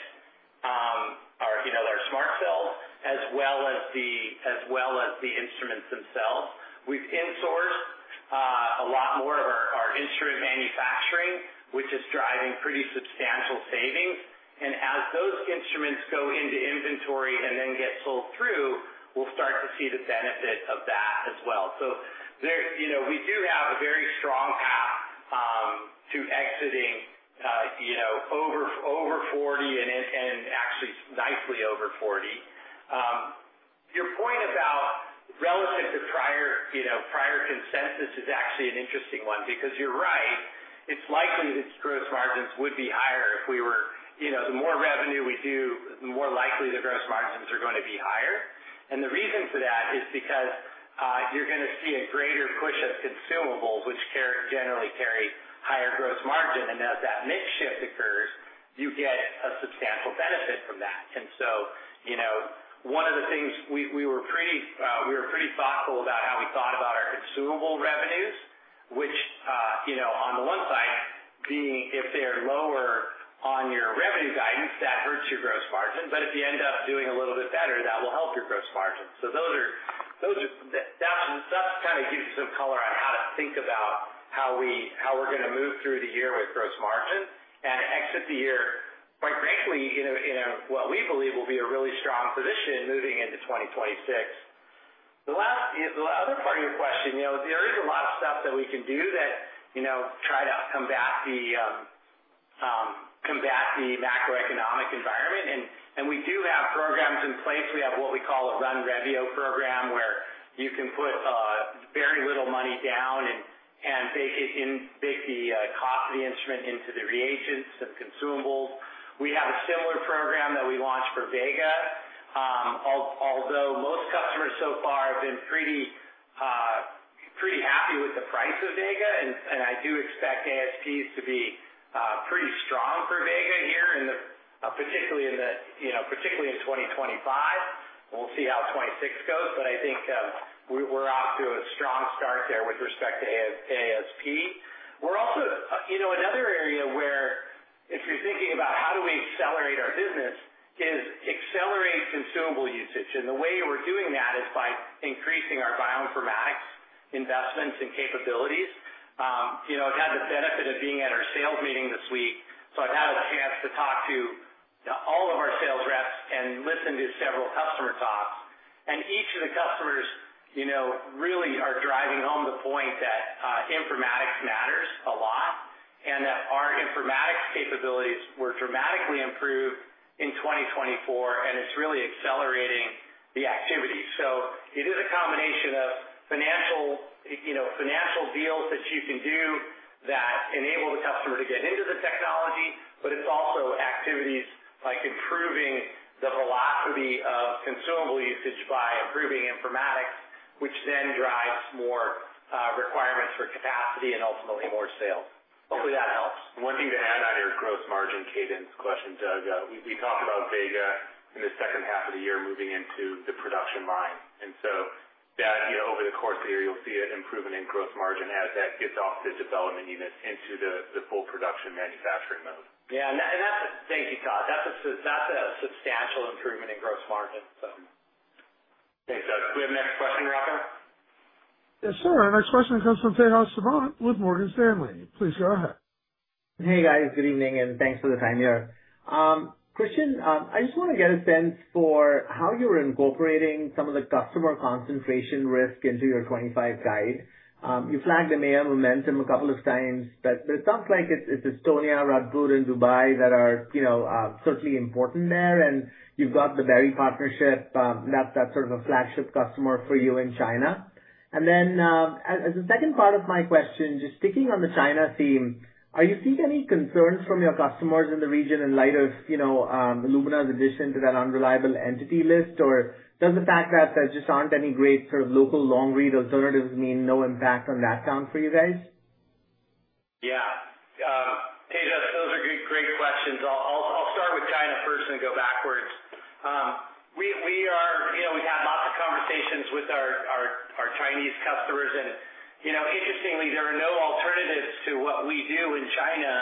our SMRT cells, as well as the instruments themselves. We've insourced a lot more of our instrument manufacturing, which is driving pretty substantial savings. As those instruments go into inventory and then get sold through, we'll start to see the benefit of that as well. So we do have a very strong path to exiting over 40 and actually nicely over 40. Your point about relative to prior consensus is actually an interesting one because you're right. It's likely that gross margins would be higher if we were, the more revenue we do, the more likely the gross margins are going to be higher. And the reason for that is because you're going to see a greater push of consumables, which generally carry higher gross margin. And as that mix shift occurs, you get a substantial benefit from that. And so one of the things we were pretty thoughtful about how we thought about our consumable revenues, which on the one side, if they're lower on your revenue guidance, that hurts your gross margin. But if you end up doing a little bit better, that will help your gross margin. So that's kind of giving you some color on how to think about how we're going to move through the year with gross margin and exit the year, quite frankly, in what we believe will be a really strong position moving into 2026. The other part of your question, there is a lot of stuff that we can do that try to combat the macroeconomic environment. And we do have programs in place. We have what we call a RunRevio program where you can put very little money down and bake the cost of the instrument into the reagents and consumables. We have a similar program that we launched for Vega. Although most customers so far have been pretty happy with the price of Vega, and I do expect ASPs to be pretty strong for Vega here, particularly in 2025. We'll see how 2026 goes, but I think we're off to a strong start there with respect to ASP. We're also in another area where if you're thinking about how do we accelerate our business, is accelerate consumable usage. And the way we're doing that is by increasing our bioinformatics investments and capabilities. I've had the benefit of being at our sales meeting this week, so I've had a chance to talk to all of our sales reps and listen to several customer talks. And each of the customers really are driving home the point that informatics matters a lot and that our informatics capabilities were dramatically improved in 2024, and it's really accelerating the activity. It is a combination of financial deals that you can do that enable the customer to get into the technology, but it's also activities like improving the velocity of consumable usage by improving informatics, which then drives more requirements for capacity and ultimately more sales. Hopefully, that helps. One thing to add on your gross margin cadence question, Doug, we talked about Vega in the second half of the year moving into the production line. And so over the course of the year, you'll see an improvement in gross margin as that gets off the development unit into the full production manufacturing mode. Yeah. Thank you, Todd. That's a substantial improvement in gross margin, so. Thanks, Doug. Do we have the next question, Rachel? Yes, sir. Our next question comes from Tejas Savant with Morgan Stanley. Please go ahead. Hey, guys. Good evening, and thanks for the time here. Christian, I just want to get a sense for how you were incorporating some of the customer concentration risk into your '25 guide. You flagged EMEA momentum a couple of times, but it sounds like it's Estonia, Radboud, and Dubai that are certainly important there. And you've got the Berry partnership. That's sort of a flagship customer for you in China. And then as a second part of my question, just sticking on the China theme, are you seeing any concerns from your customers in the region in light of Illumina's addition to that unreliable entity list? Or does the fact that there just aren't any great sort of local long-read alternatives mean no impact on that count for you guys? Yeah. Tejas, those are great questions. I'll start with China first and go backwards. We've had lots of conversations with our Chinese customers. Interestingly, there are no alternatives to what we do in China,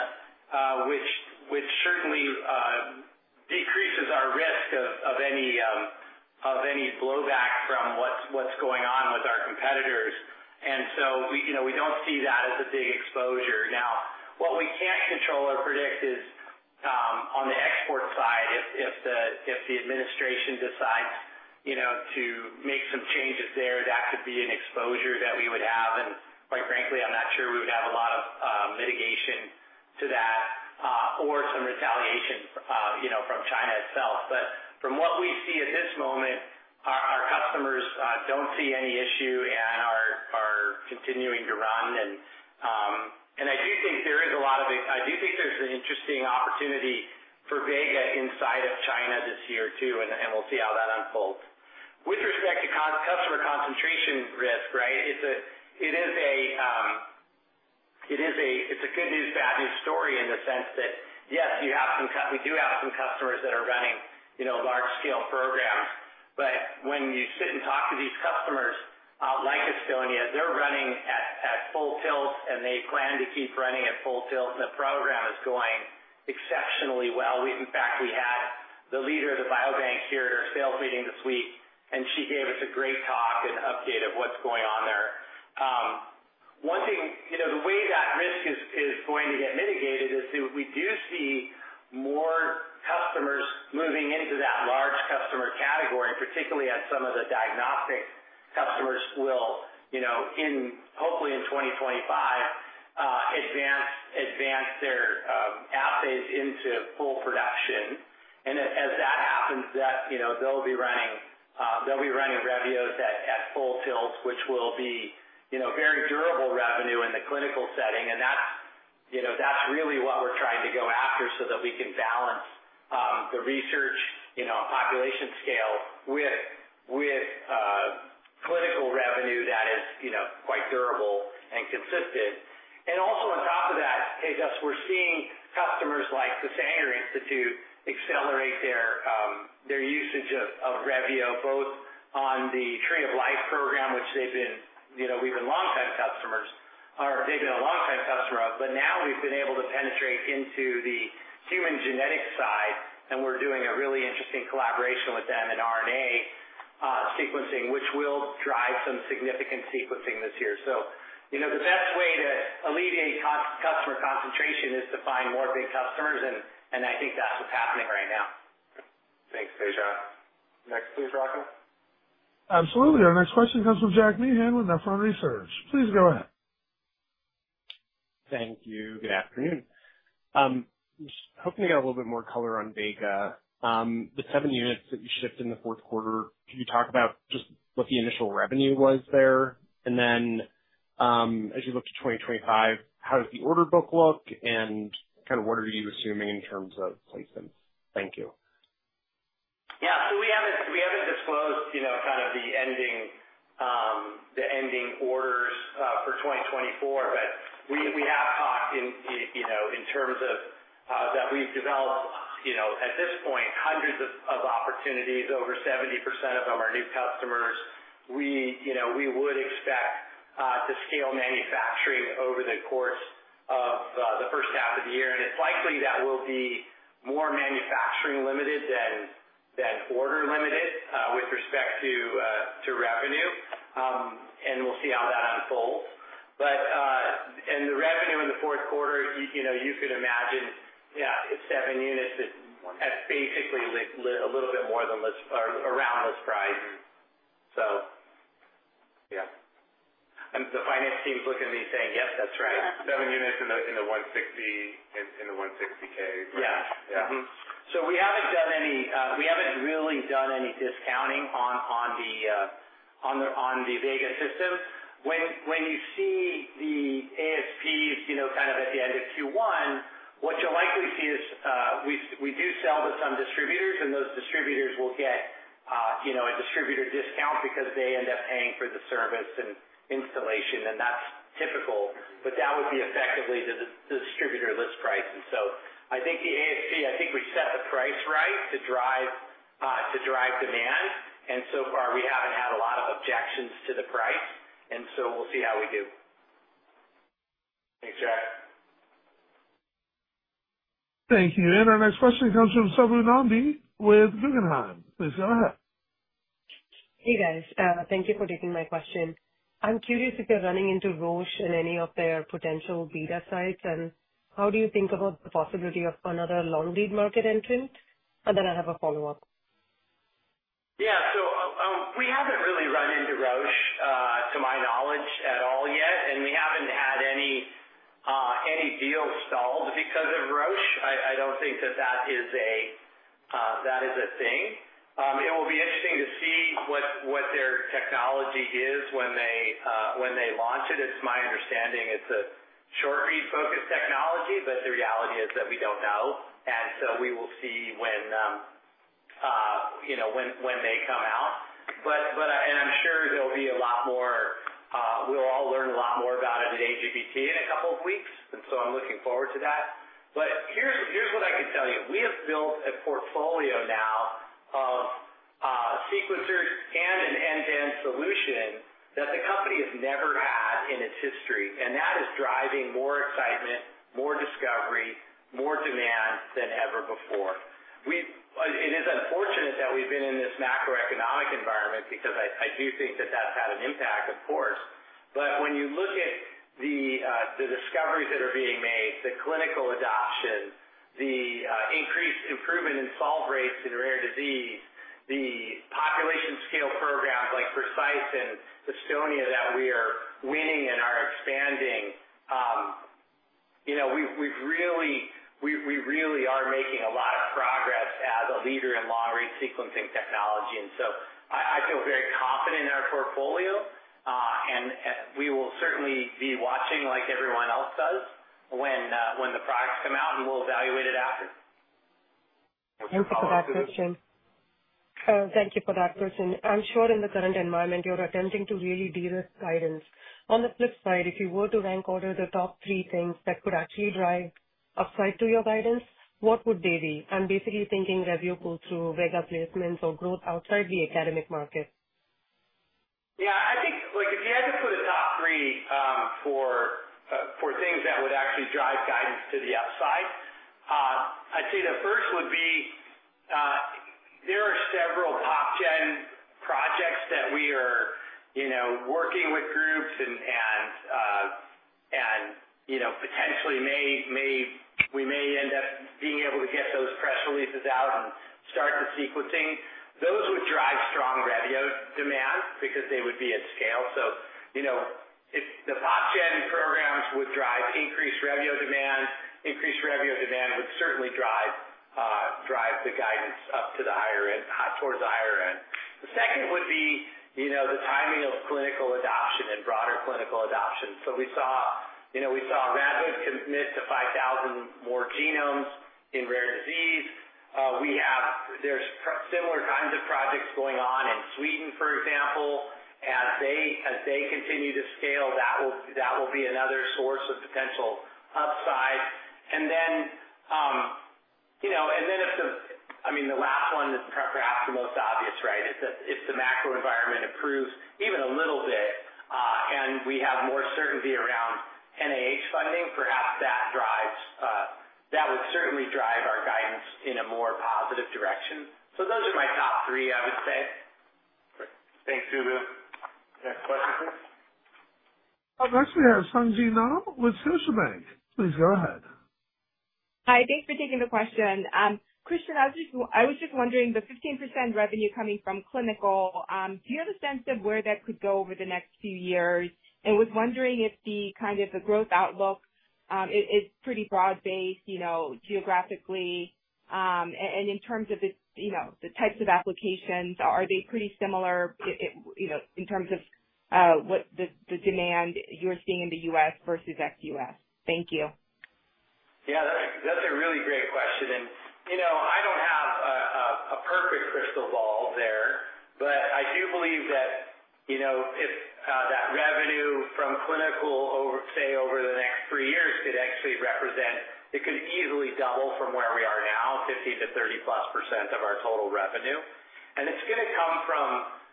which certainly decreases our risk of any blowback from what's going on with our competitors. We don't see that as a big exposure. Now, what we can't control or predict is on the export side, if the administration decides to make some changes there, that could be an exposure that we would have. Quite frankly, I'm not sure we would have a lot of mitigation to that or some retaliation from China itself. From what we see at this moment, our customers don't see any issue and are continuing to run. I do think there's an interesting opportunity for Vega inside of China this year too, and we'll see how that unfolds. With respect to customer concentration risk, right, it's a good news, bad news story in the sense that, yes, you have some—we do have some customers that are running large-scale programs, but when you sit and talk to these customers like Estonia, they're running at full tilt, and they plan to keep running at full tilt, and the program is going exceptionally well. In fact, we had the leader of the biobank here at our sales meeting this week, and she gave us a great talk and update of what's going on there. One thing, the way that risk is going to get mitigated is we do see more customers moving into that large customer category, particularly as some of the diagnostic customers will, hopefully in 2025, advance their assays into full production. As that happens, they'll be running Revios at full tilt, which will be very durable revenue in the clinical setting. That's really what we're trying to go after so that we can balance the research population scale with clinical revenue that is quite durable and consistent. Also on top of that, Tejas, we're seeing customers like the Sanger Institute accelerate their usage of Revio, both on the Tree of Life program, which we've been long-time customers, or they've been a long-time customer of. Now we've been able to penetrate into the human genetic side, and we're doing a really interesting collaboration with them in RNA sequencing, which will drive some significant sequencing this year. The best way to alleviate customer concentration is to find more big customers, and I think that's what's happening right now. Thanks, Tejas. Next, please, Rachel. Absolutely. Our next question comes from Jack Meehan with Nephron Research. Please go ahead. Thank you. Good afternoon. I was hoping to get a little bit more color on Vega. The seven units that you shipped in the fourth quarter, could you talk about just what the initial revenue was there? And then as you look to 2025, how does the order book look? And kind of what are you assuming in terms of placements? Thank you. Yeah. So we haven't disclosed kind of the ending orders for 2024, but we have talked in terms of that we've developed at this point hundreds of opportunities. Over 70% of them are new customers. We would expect to scale manufacturing over the course of the first half of the year. And it's likely that we'll be more manufacturing-limited than order-limited with respect to revenue. And we'll see how that unfolds. And the revenue in the fourth quarter, you could imagine seven units at basically a little bit more than around this price. So yeah. And the finance team's looking at me saying, "Yep, that's right. Seven units in the $160,000 range." Yeah. So we haven't really done any discounting on the Vega system. When you see the ASPs kind of at the end of Q1, what you'll likely see is we do sell to some distributors, and those distributors will get a distributor discount because they end up paying for the service and installation, and that's typical. But that would be effectively the distributor list price. And so I think the ASP, I think we set the price right to drive demand. And so far, we haven't had a lot of objections to the price. And so we'll see how we do. Thanks, Jack. Thank you. Our next question comes from Subbu Nambi with Guggenheim. Please go ahead. Hey, guys. Thank you for taking my question. I'm curious if you're running into Roche in any of their potential beta sites, and how do you think about the possibility of another long-read market entrant? And then I have a follow-up. Yeah. So we haven't really run into Roche, to my knowledge, at all yet. And we haven't had any deals stalled because of Roche. I don't think that that is a thing. It will be interesting to see what their technology is when they launch it. It's my understanding it's a short-read-focused technology, but the reality is that we don't know. And so we will see when they come out. And I'm sure there'll be a lot more. We'll all learn a lot more about it at AGBT in a couple of weeks. And so I'm looking forward to that. But here's what I can tell you. We have built a portfolio now of sequencers and an end-to-end solution that the company has never had in its history. And that is driving more excitement, more discovery, more demand than ever before. It is unfortunate that we've been in this macroeconomic environment because I do think that that's had an impact, of course. But when you look at the discoveries that are being made, the clinical adoption, the increased improvement in solve rates in rare disease, the population-scale programs like Precise and Estonia that we are winning and are expanding, we really are making a lot of progress as a leader in long-read sequencing technology. And so I feel very confident in our portfolio. And we will certainly be watching like everyone else does when the products come out, and we'll evaluate it after. Thank you for that, Christian. I'm sure in the current environment, you're attempting to really de-risk guidance. On the flip side, if you were to rank order the top three things that could actually drive upside to your guidance, what would they be? I'm basically thinking Revio pull through Vega placements or growth outside the academic market. Yeah. I think if you had to put a top three for things that would actually drive guidance to the upside, I'd say the first would be there are several PopGen projects that we are working with groups and potentially we may end up being able to get those press releases out and start the sequencing. Those would drive strong Revio demand because they would be at scale. So if the PopGen programs would drive increased Revio demand, increased Revio demand would certainly drive the guidance up to the higher end, towards the higher end. The second would be the timing of clinical adoption and broader clinical adoption. So we saw Radboud commit to 5,000 more genomes in rare disease. There's similar kinds of projects going on in Sweden, for example. As they continue to scale, that will be another source of potential upside. And then if the-I mean, the last one is perhaps the most obvious, right? If the macro environment improves even a little bit and we have more certainty around NIH funding, perhaps that would certainly drive our guidance in a more positive direction. So those are my top three, I would say. Thanks, Subbu. Next question, please. Next we have Sung Ji Nam with Scotiabank. Please go ahead. Hi. Thanks for taking the question. Christian, I was just wondering, the 15% revenue coming from clinical, do you have a sense of where that could go over the next few years? And was wondering if the kind of the growth outlook is pretty broad-based geographically and in terms of the types of applications. Are they pretty similar in terms of what the demand you're seeing in the US versus Asia? Thank you. Yeah. That's a really great question. And I don't have a perfect crystal ball there, but I do believe that if that revenue from clinical, say, over the next three years, could actually represent, it could easily double from where we are now, 15 to 30-plus% of our total revenue. And it's going to come from.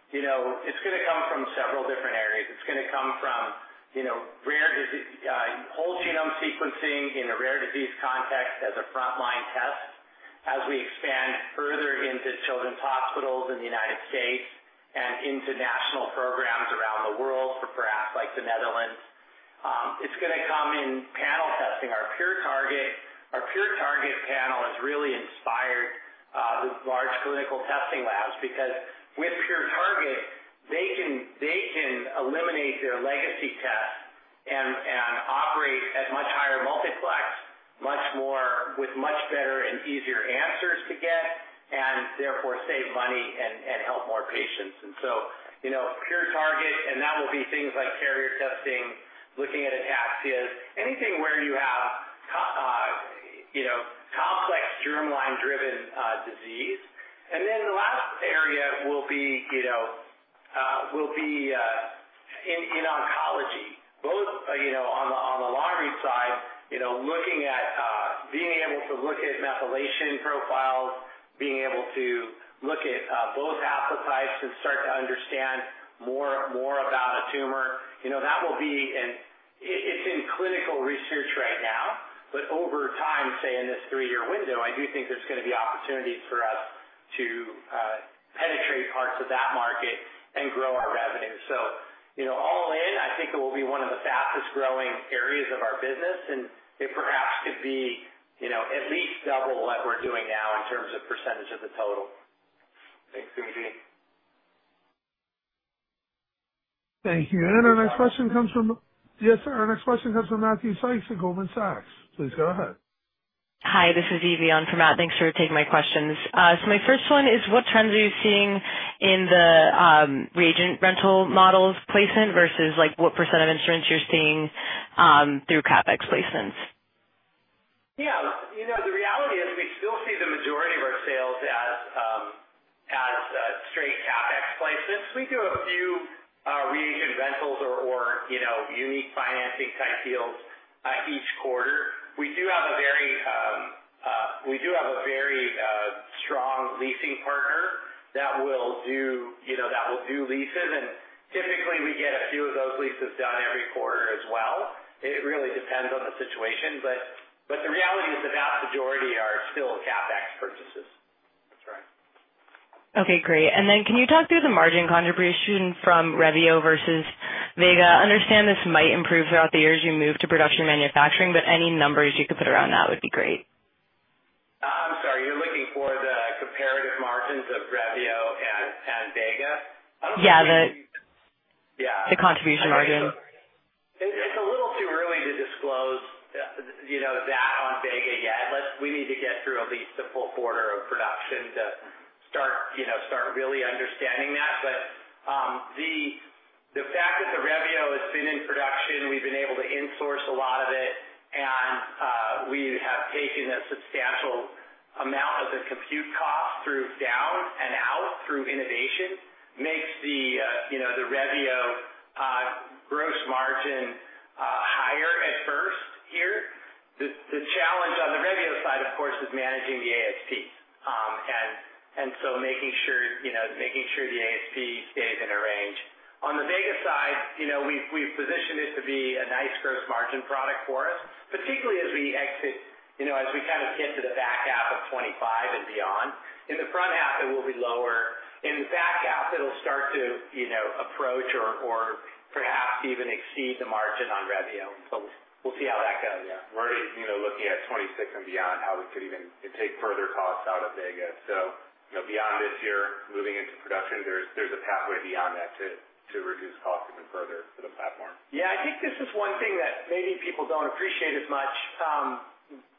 It's going to come from several different areas. It's going to come from whole genome sequencing in a rare disease context as a frontline test as we expand further into children's hospitals in the United States and into national programs around the world for perhaps the Netherlands. It's going to come in panel testing. Our PureTarget panel has really inspired the large clinical testing labs because with PureTarget, they can eliminate their legacy tests and operate at much higher multiplex, with much better and easier answers to get, and therefore save money and help more patients. And so PureTarget, and that will be things like carrier testing, looking at ataxias, anything where you have complex germline-driven disease. And then the last area will be in oncology, both on the long-read side, looking at being able to look at methylation profiles, being able to look at both haplotypes and start to understand more about a tumor. That will be, and it's in clinical research right now. But over time, say in this three-year window, I do think there's going to be opportunities for us to penetrate parts of that market and grow our revenue. So all in, I think it will be one of the fastest-growing areas of our business, and it perhaps could be at least double what we're doing now in terms of percentage of the total. Thanks, Gugi. Thank you. And our next question comes from, yes, sir. Our next question comes from Matthew Sykes at Goldman Sachs. Please go ahead. Hi. This is Evie on from Matt. Thanks for taking my questions. So my first one is, what trends are you seeing in the reagent rental models placement versus what % of instruments you're seeing through CapEx placements? Yeah. The reality is we still see the majority of our sales as straight CapEx placements. We do a few reagent rentals or unique financing-type deals each quarter. We do have a very strong leasing partner that will do leases. And typically, we get a few of those leases done every quarter as well. It really depends on the situation. But the reality is the vast majority are still CapEx purchases. That's right. Okay. Great. And then can you talk through the margin contribution from Revio versus Vega? I understand this might improve throughout the years you move to production manufacturing, but any numbers you could put around that would be great. I'm sorry. You're looking for the comparative margins of Revio and Vega? I don't think you—yeah. The contribution margin. It's a little too early to disclose that on Vega yet. We need to get through at least the full quarter of production to start really understanding that. But the fact that the Revio has been in production, we've been able to insource a lot of it, and we have taken a substantial amount of the compute costs down and out through innovation makes the Revio gross margin higher at first here. The challenge on the Revio side, of course, is managing the ASPs and so making sure the ASP stays in a range. On the Vega side, we've positioned it to be a nice gross margin product for us, particularly as we exit, as we kind of get to the back half of 2025 and beyond. In the front half, it will be lower. In the back half, it'll start to approach or perhaps even exceed the margin on Revio. So we'll see how that goes. Yeah. We're already looking at 2026 and beyond how we could even take further costs out of Vega. So beyond this year, moving into production, there's a pathway beyond that to reduce costs even further for the platform. Yeah. I think this is one thing that maybe people don't appreciate as much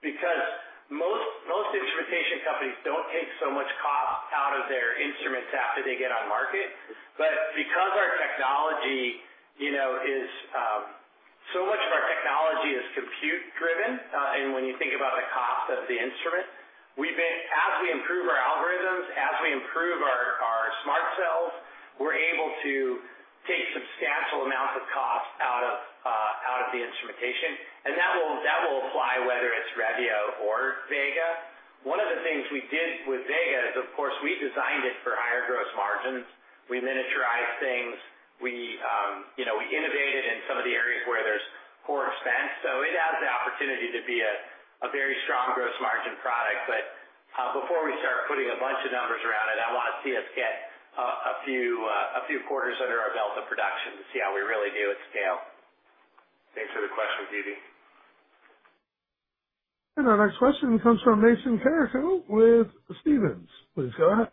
because most instrumentation companies don't take so much cost out of their instruments after they get on market. But because so much of our technology is compute-driven, and when you think about the cost of the instrument, as we improve our algorithms, as we improve our SMRT cells, we're able to take substantial amounts of cost out of the instrumentation. And that will apply whether it's Revio or Vega. One of the things we did with Vega is, of course, we designed it for higher gross margins. We miniaturized things. We innovated in some of the areas where there's poor expense. So it has the opportunity to be a very strong gross margin product. But before we start putting a bunch of numbers around it, I want to see us get a few quarters under our belt of production to see how we really do at scale. Thanks for the question, Gugi. And our next question comes from Mason Carrico with Stephens. Please go ahead.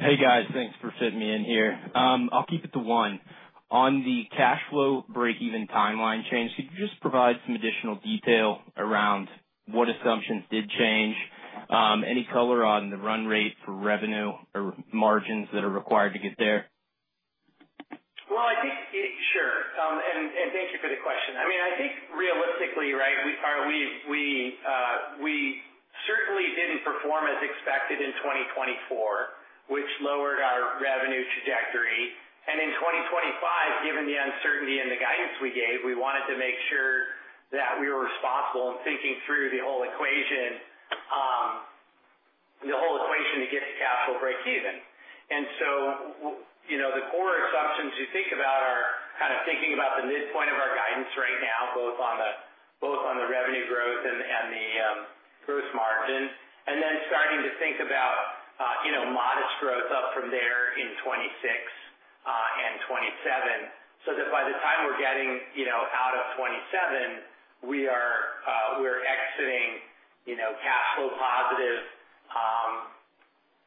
Hey, guys. Thanks for fitting me in here. I'll keep it to one. On the cash flow break-even timeline change, could you just provide some additional detail around what assumptions did change? Any color on the run rate for revenue or margins that are required to get there? Well, I think sure. And thank you for the question. I mean, I think realistically, right, we certainly didn't perform as expected in 2024, which lowered our revenue trajectory. In 2025, given the uncertainty in the guidance we gave, we wanted to make sure that we were responsible in thinking through the whole equation to get the cash flow break-even. The core assumptions you think about are kind of thinking about the midpoint of our guidance right now, both on the revenue growth and the gross margin, and then starting to think about modest growth up from there in 2026 and 2027 so that by the time we're getting out of 2027, we are exiting cash flow positive,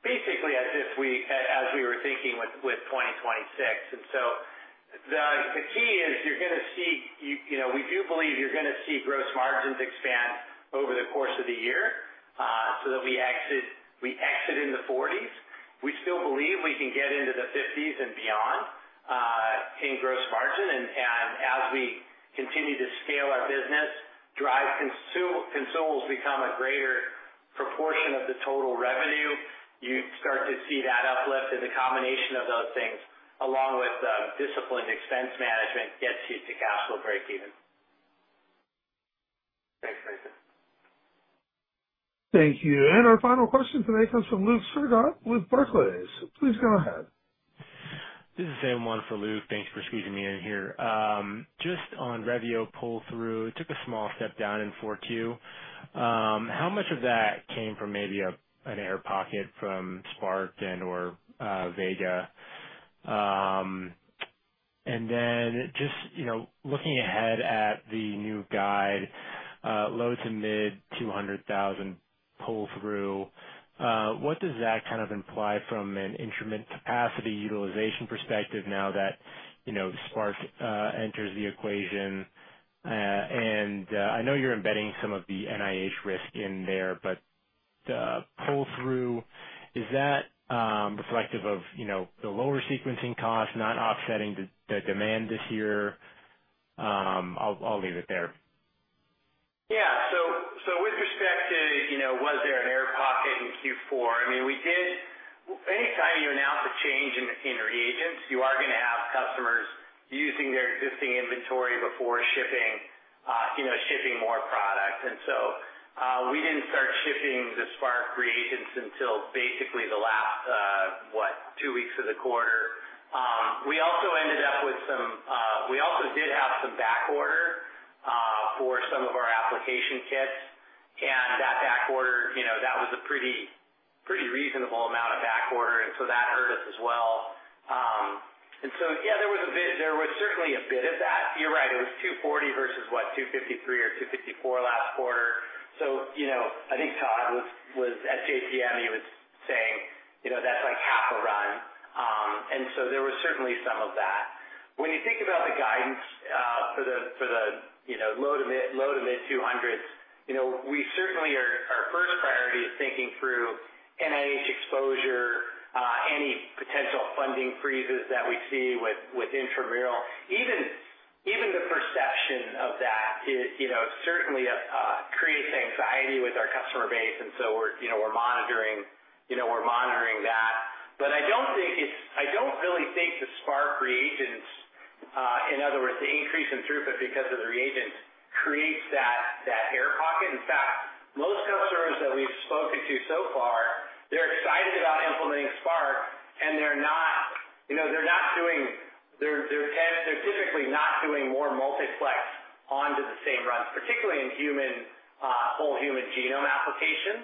basically as we were thinking with 2026. The key is you are going to see. We do believe you are going to see gross margins expand over the course of the year so that we exit in the 40s%. We still believe we can get into the 50s% and beyond in gross margin. As we continue to scale our business, drive consumables become a greater proportion of the total revenue. You'd start to see that uplift in the combination of those things along with disciplined expense management gets you to cash flow break-even. Thanks, Mason. Thank you. Our final question today comes from Luke Sergott with Barclays. Please go ahead. This is Sam Ua for Luke. Thanks for squeezing me in here. Just on Revio pull through, it took a small step down in '42. How much of that came from maybe an air pocket from Spark and/or Vega? And then just looking ahead at the new guide, low to mid 200,000 pull through, what does that kind of imply from an instrument capacity utilization perspective now that Spark enters the equation? And I know you're embedding some of the NIH risk in there, but the pull through, is that reflective of the lower sequencing costs, not offsetting the demand this year? I'll leave it there. Yeah. So with respect to, was there an air pocket in Q4? I mean, we did. Anytime you announce a change in reagents, you are going to have customers using their existing inventory before shipping more product. And so we didn't start shipping the Spark reagents until basically the last, what, two weeks of the quarter. We also ended up with some. We also did have some back order for some of our application kits. And that back order, that was a pretty reasonable amount of back order. And so, yeah, there was a bit. There was certainly a bit of that. You're right. It was 240 versus, what, 253 or 254 last quarter. So I think Todd was at JPM, he was saying that's like half a run. And so there was certainly some of that. When you think about the guidance for the low to mid 200s, we certainly, our first priority is thinking through NIH exposure, any potential funding freezes that we see with intramural. Even the perception of that certainly creates anxiety with our customer base. And so we're monitoring that. But I don't think it's, I don't really think the Spark reagents, in other words, the increase in throughput because of the reagents, creates that air pocket. In fact, most customers that we've spoken to so far, they're excited about implementing Spark, and they're not, they're typically not doing more multiplex onto the same runs, particularly in whole human genome applications.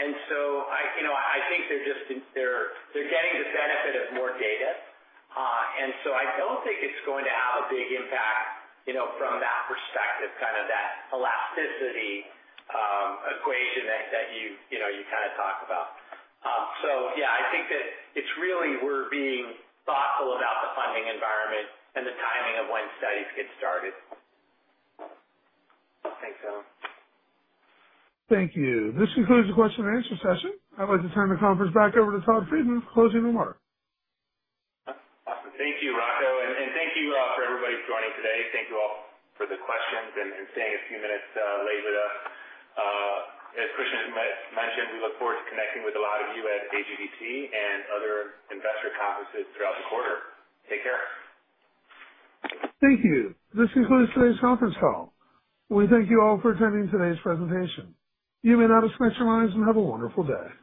And so I think they're getting the benefit of more data. And so I don't think it's going to have a big impact from that perspective, kind of that elasticity equation that you kind of talked about. So, yeah, I think that it's really we're being thoughtful about the funding environment and the timing of when studies get started. Thanks, Alan. Thank you. This concludes the question and answer session. I'd like to turn the conference back over to Todd Friedman for closing remarks. Awesome. Thank you, Rocco. And thank you for everybody joining today. Thank you all for the questions and staying a few minutes late with us. As Christian mentioned, we look forward to connecting with a lot of you at AGBT and other investor conferences throughout the quarter. Take care. Thank you. This concludes today's conference call. We thank you all for attending today's presentation. You may now disconnect your lines and have a wonderful day.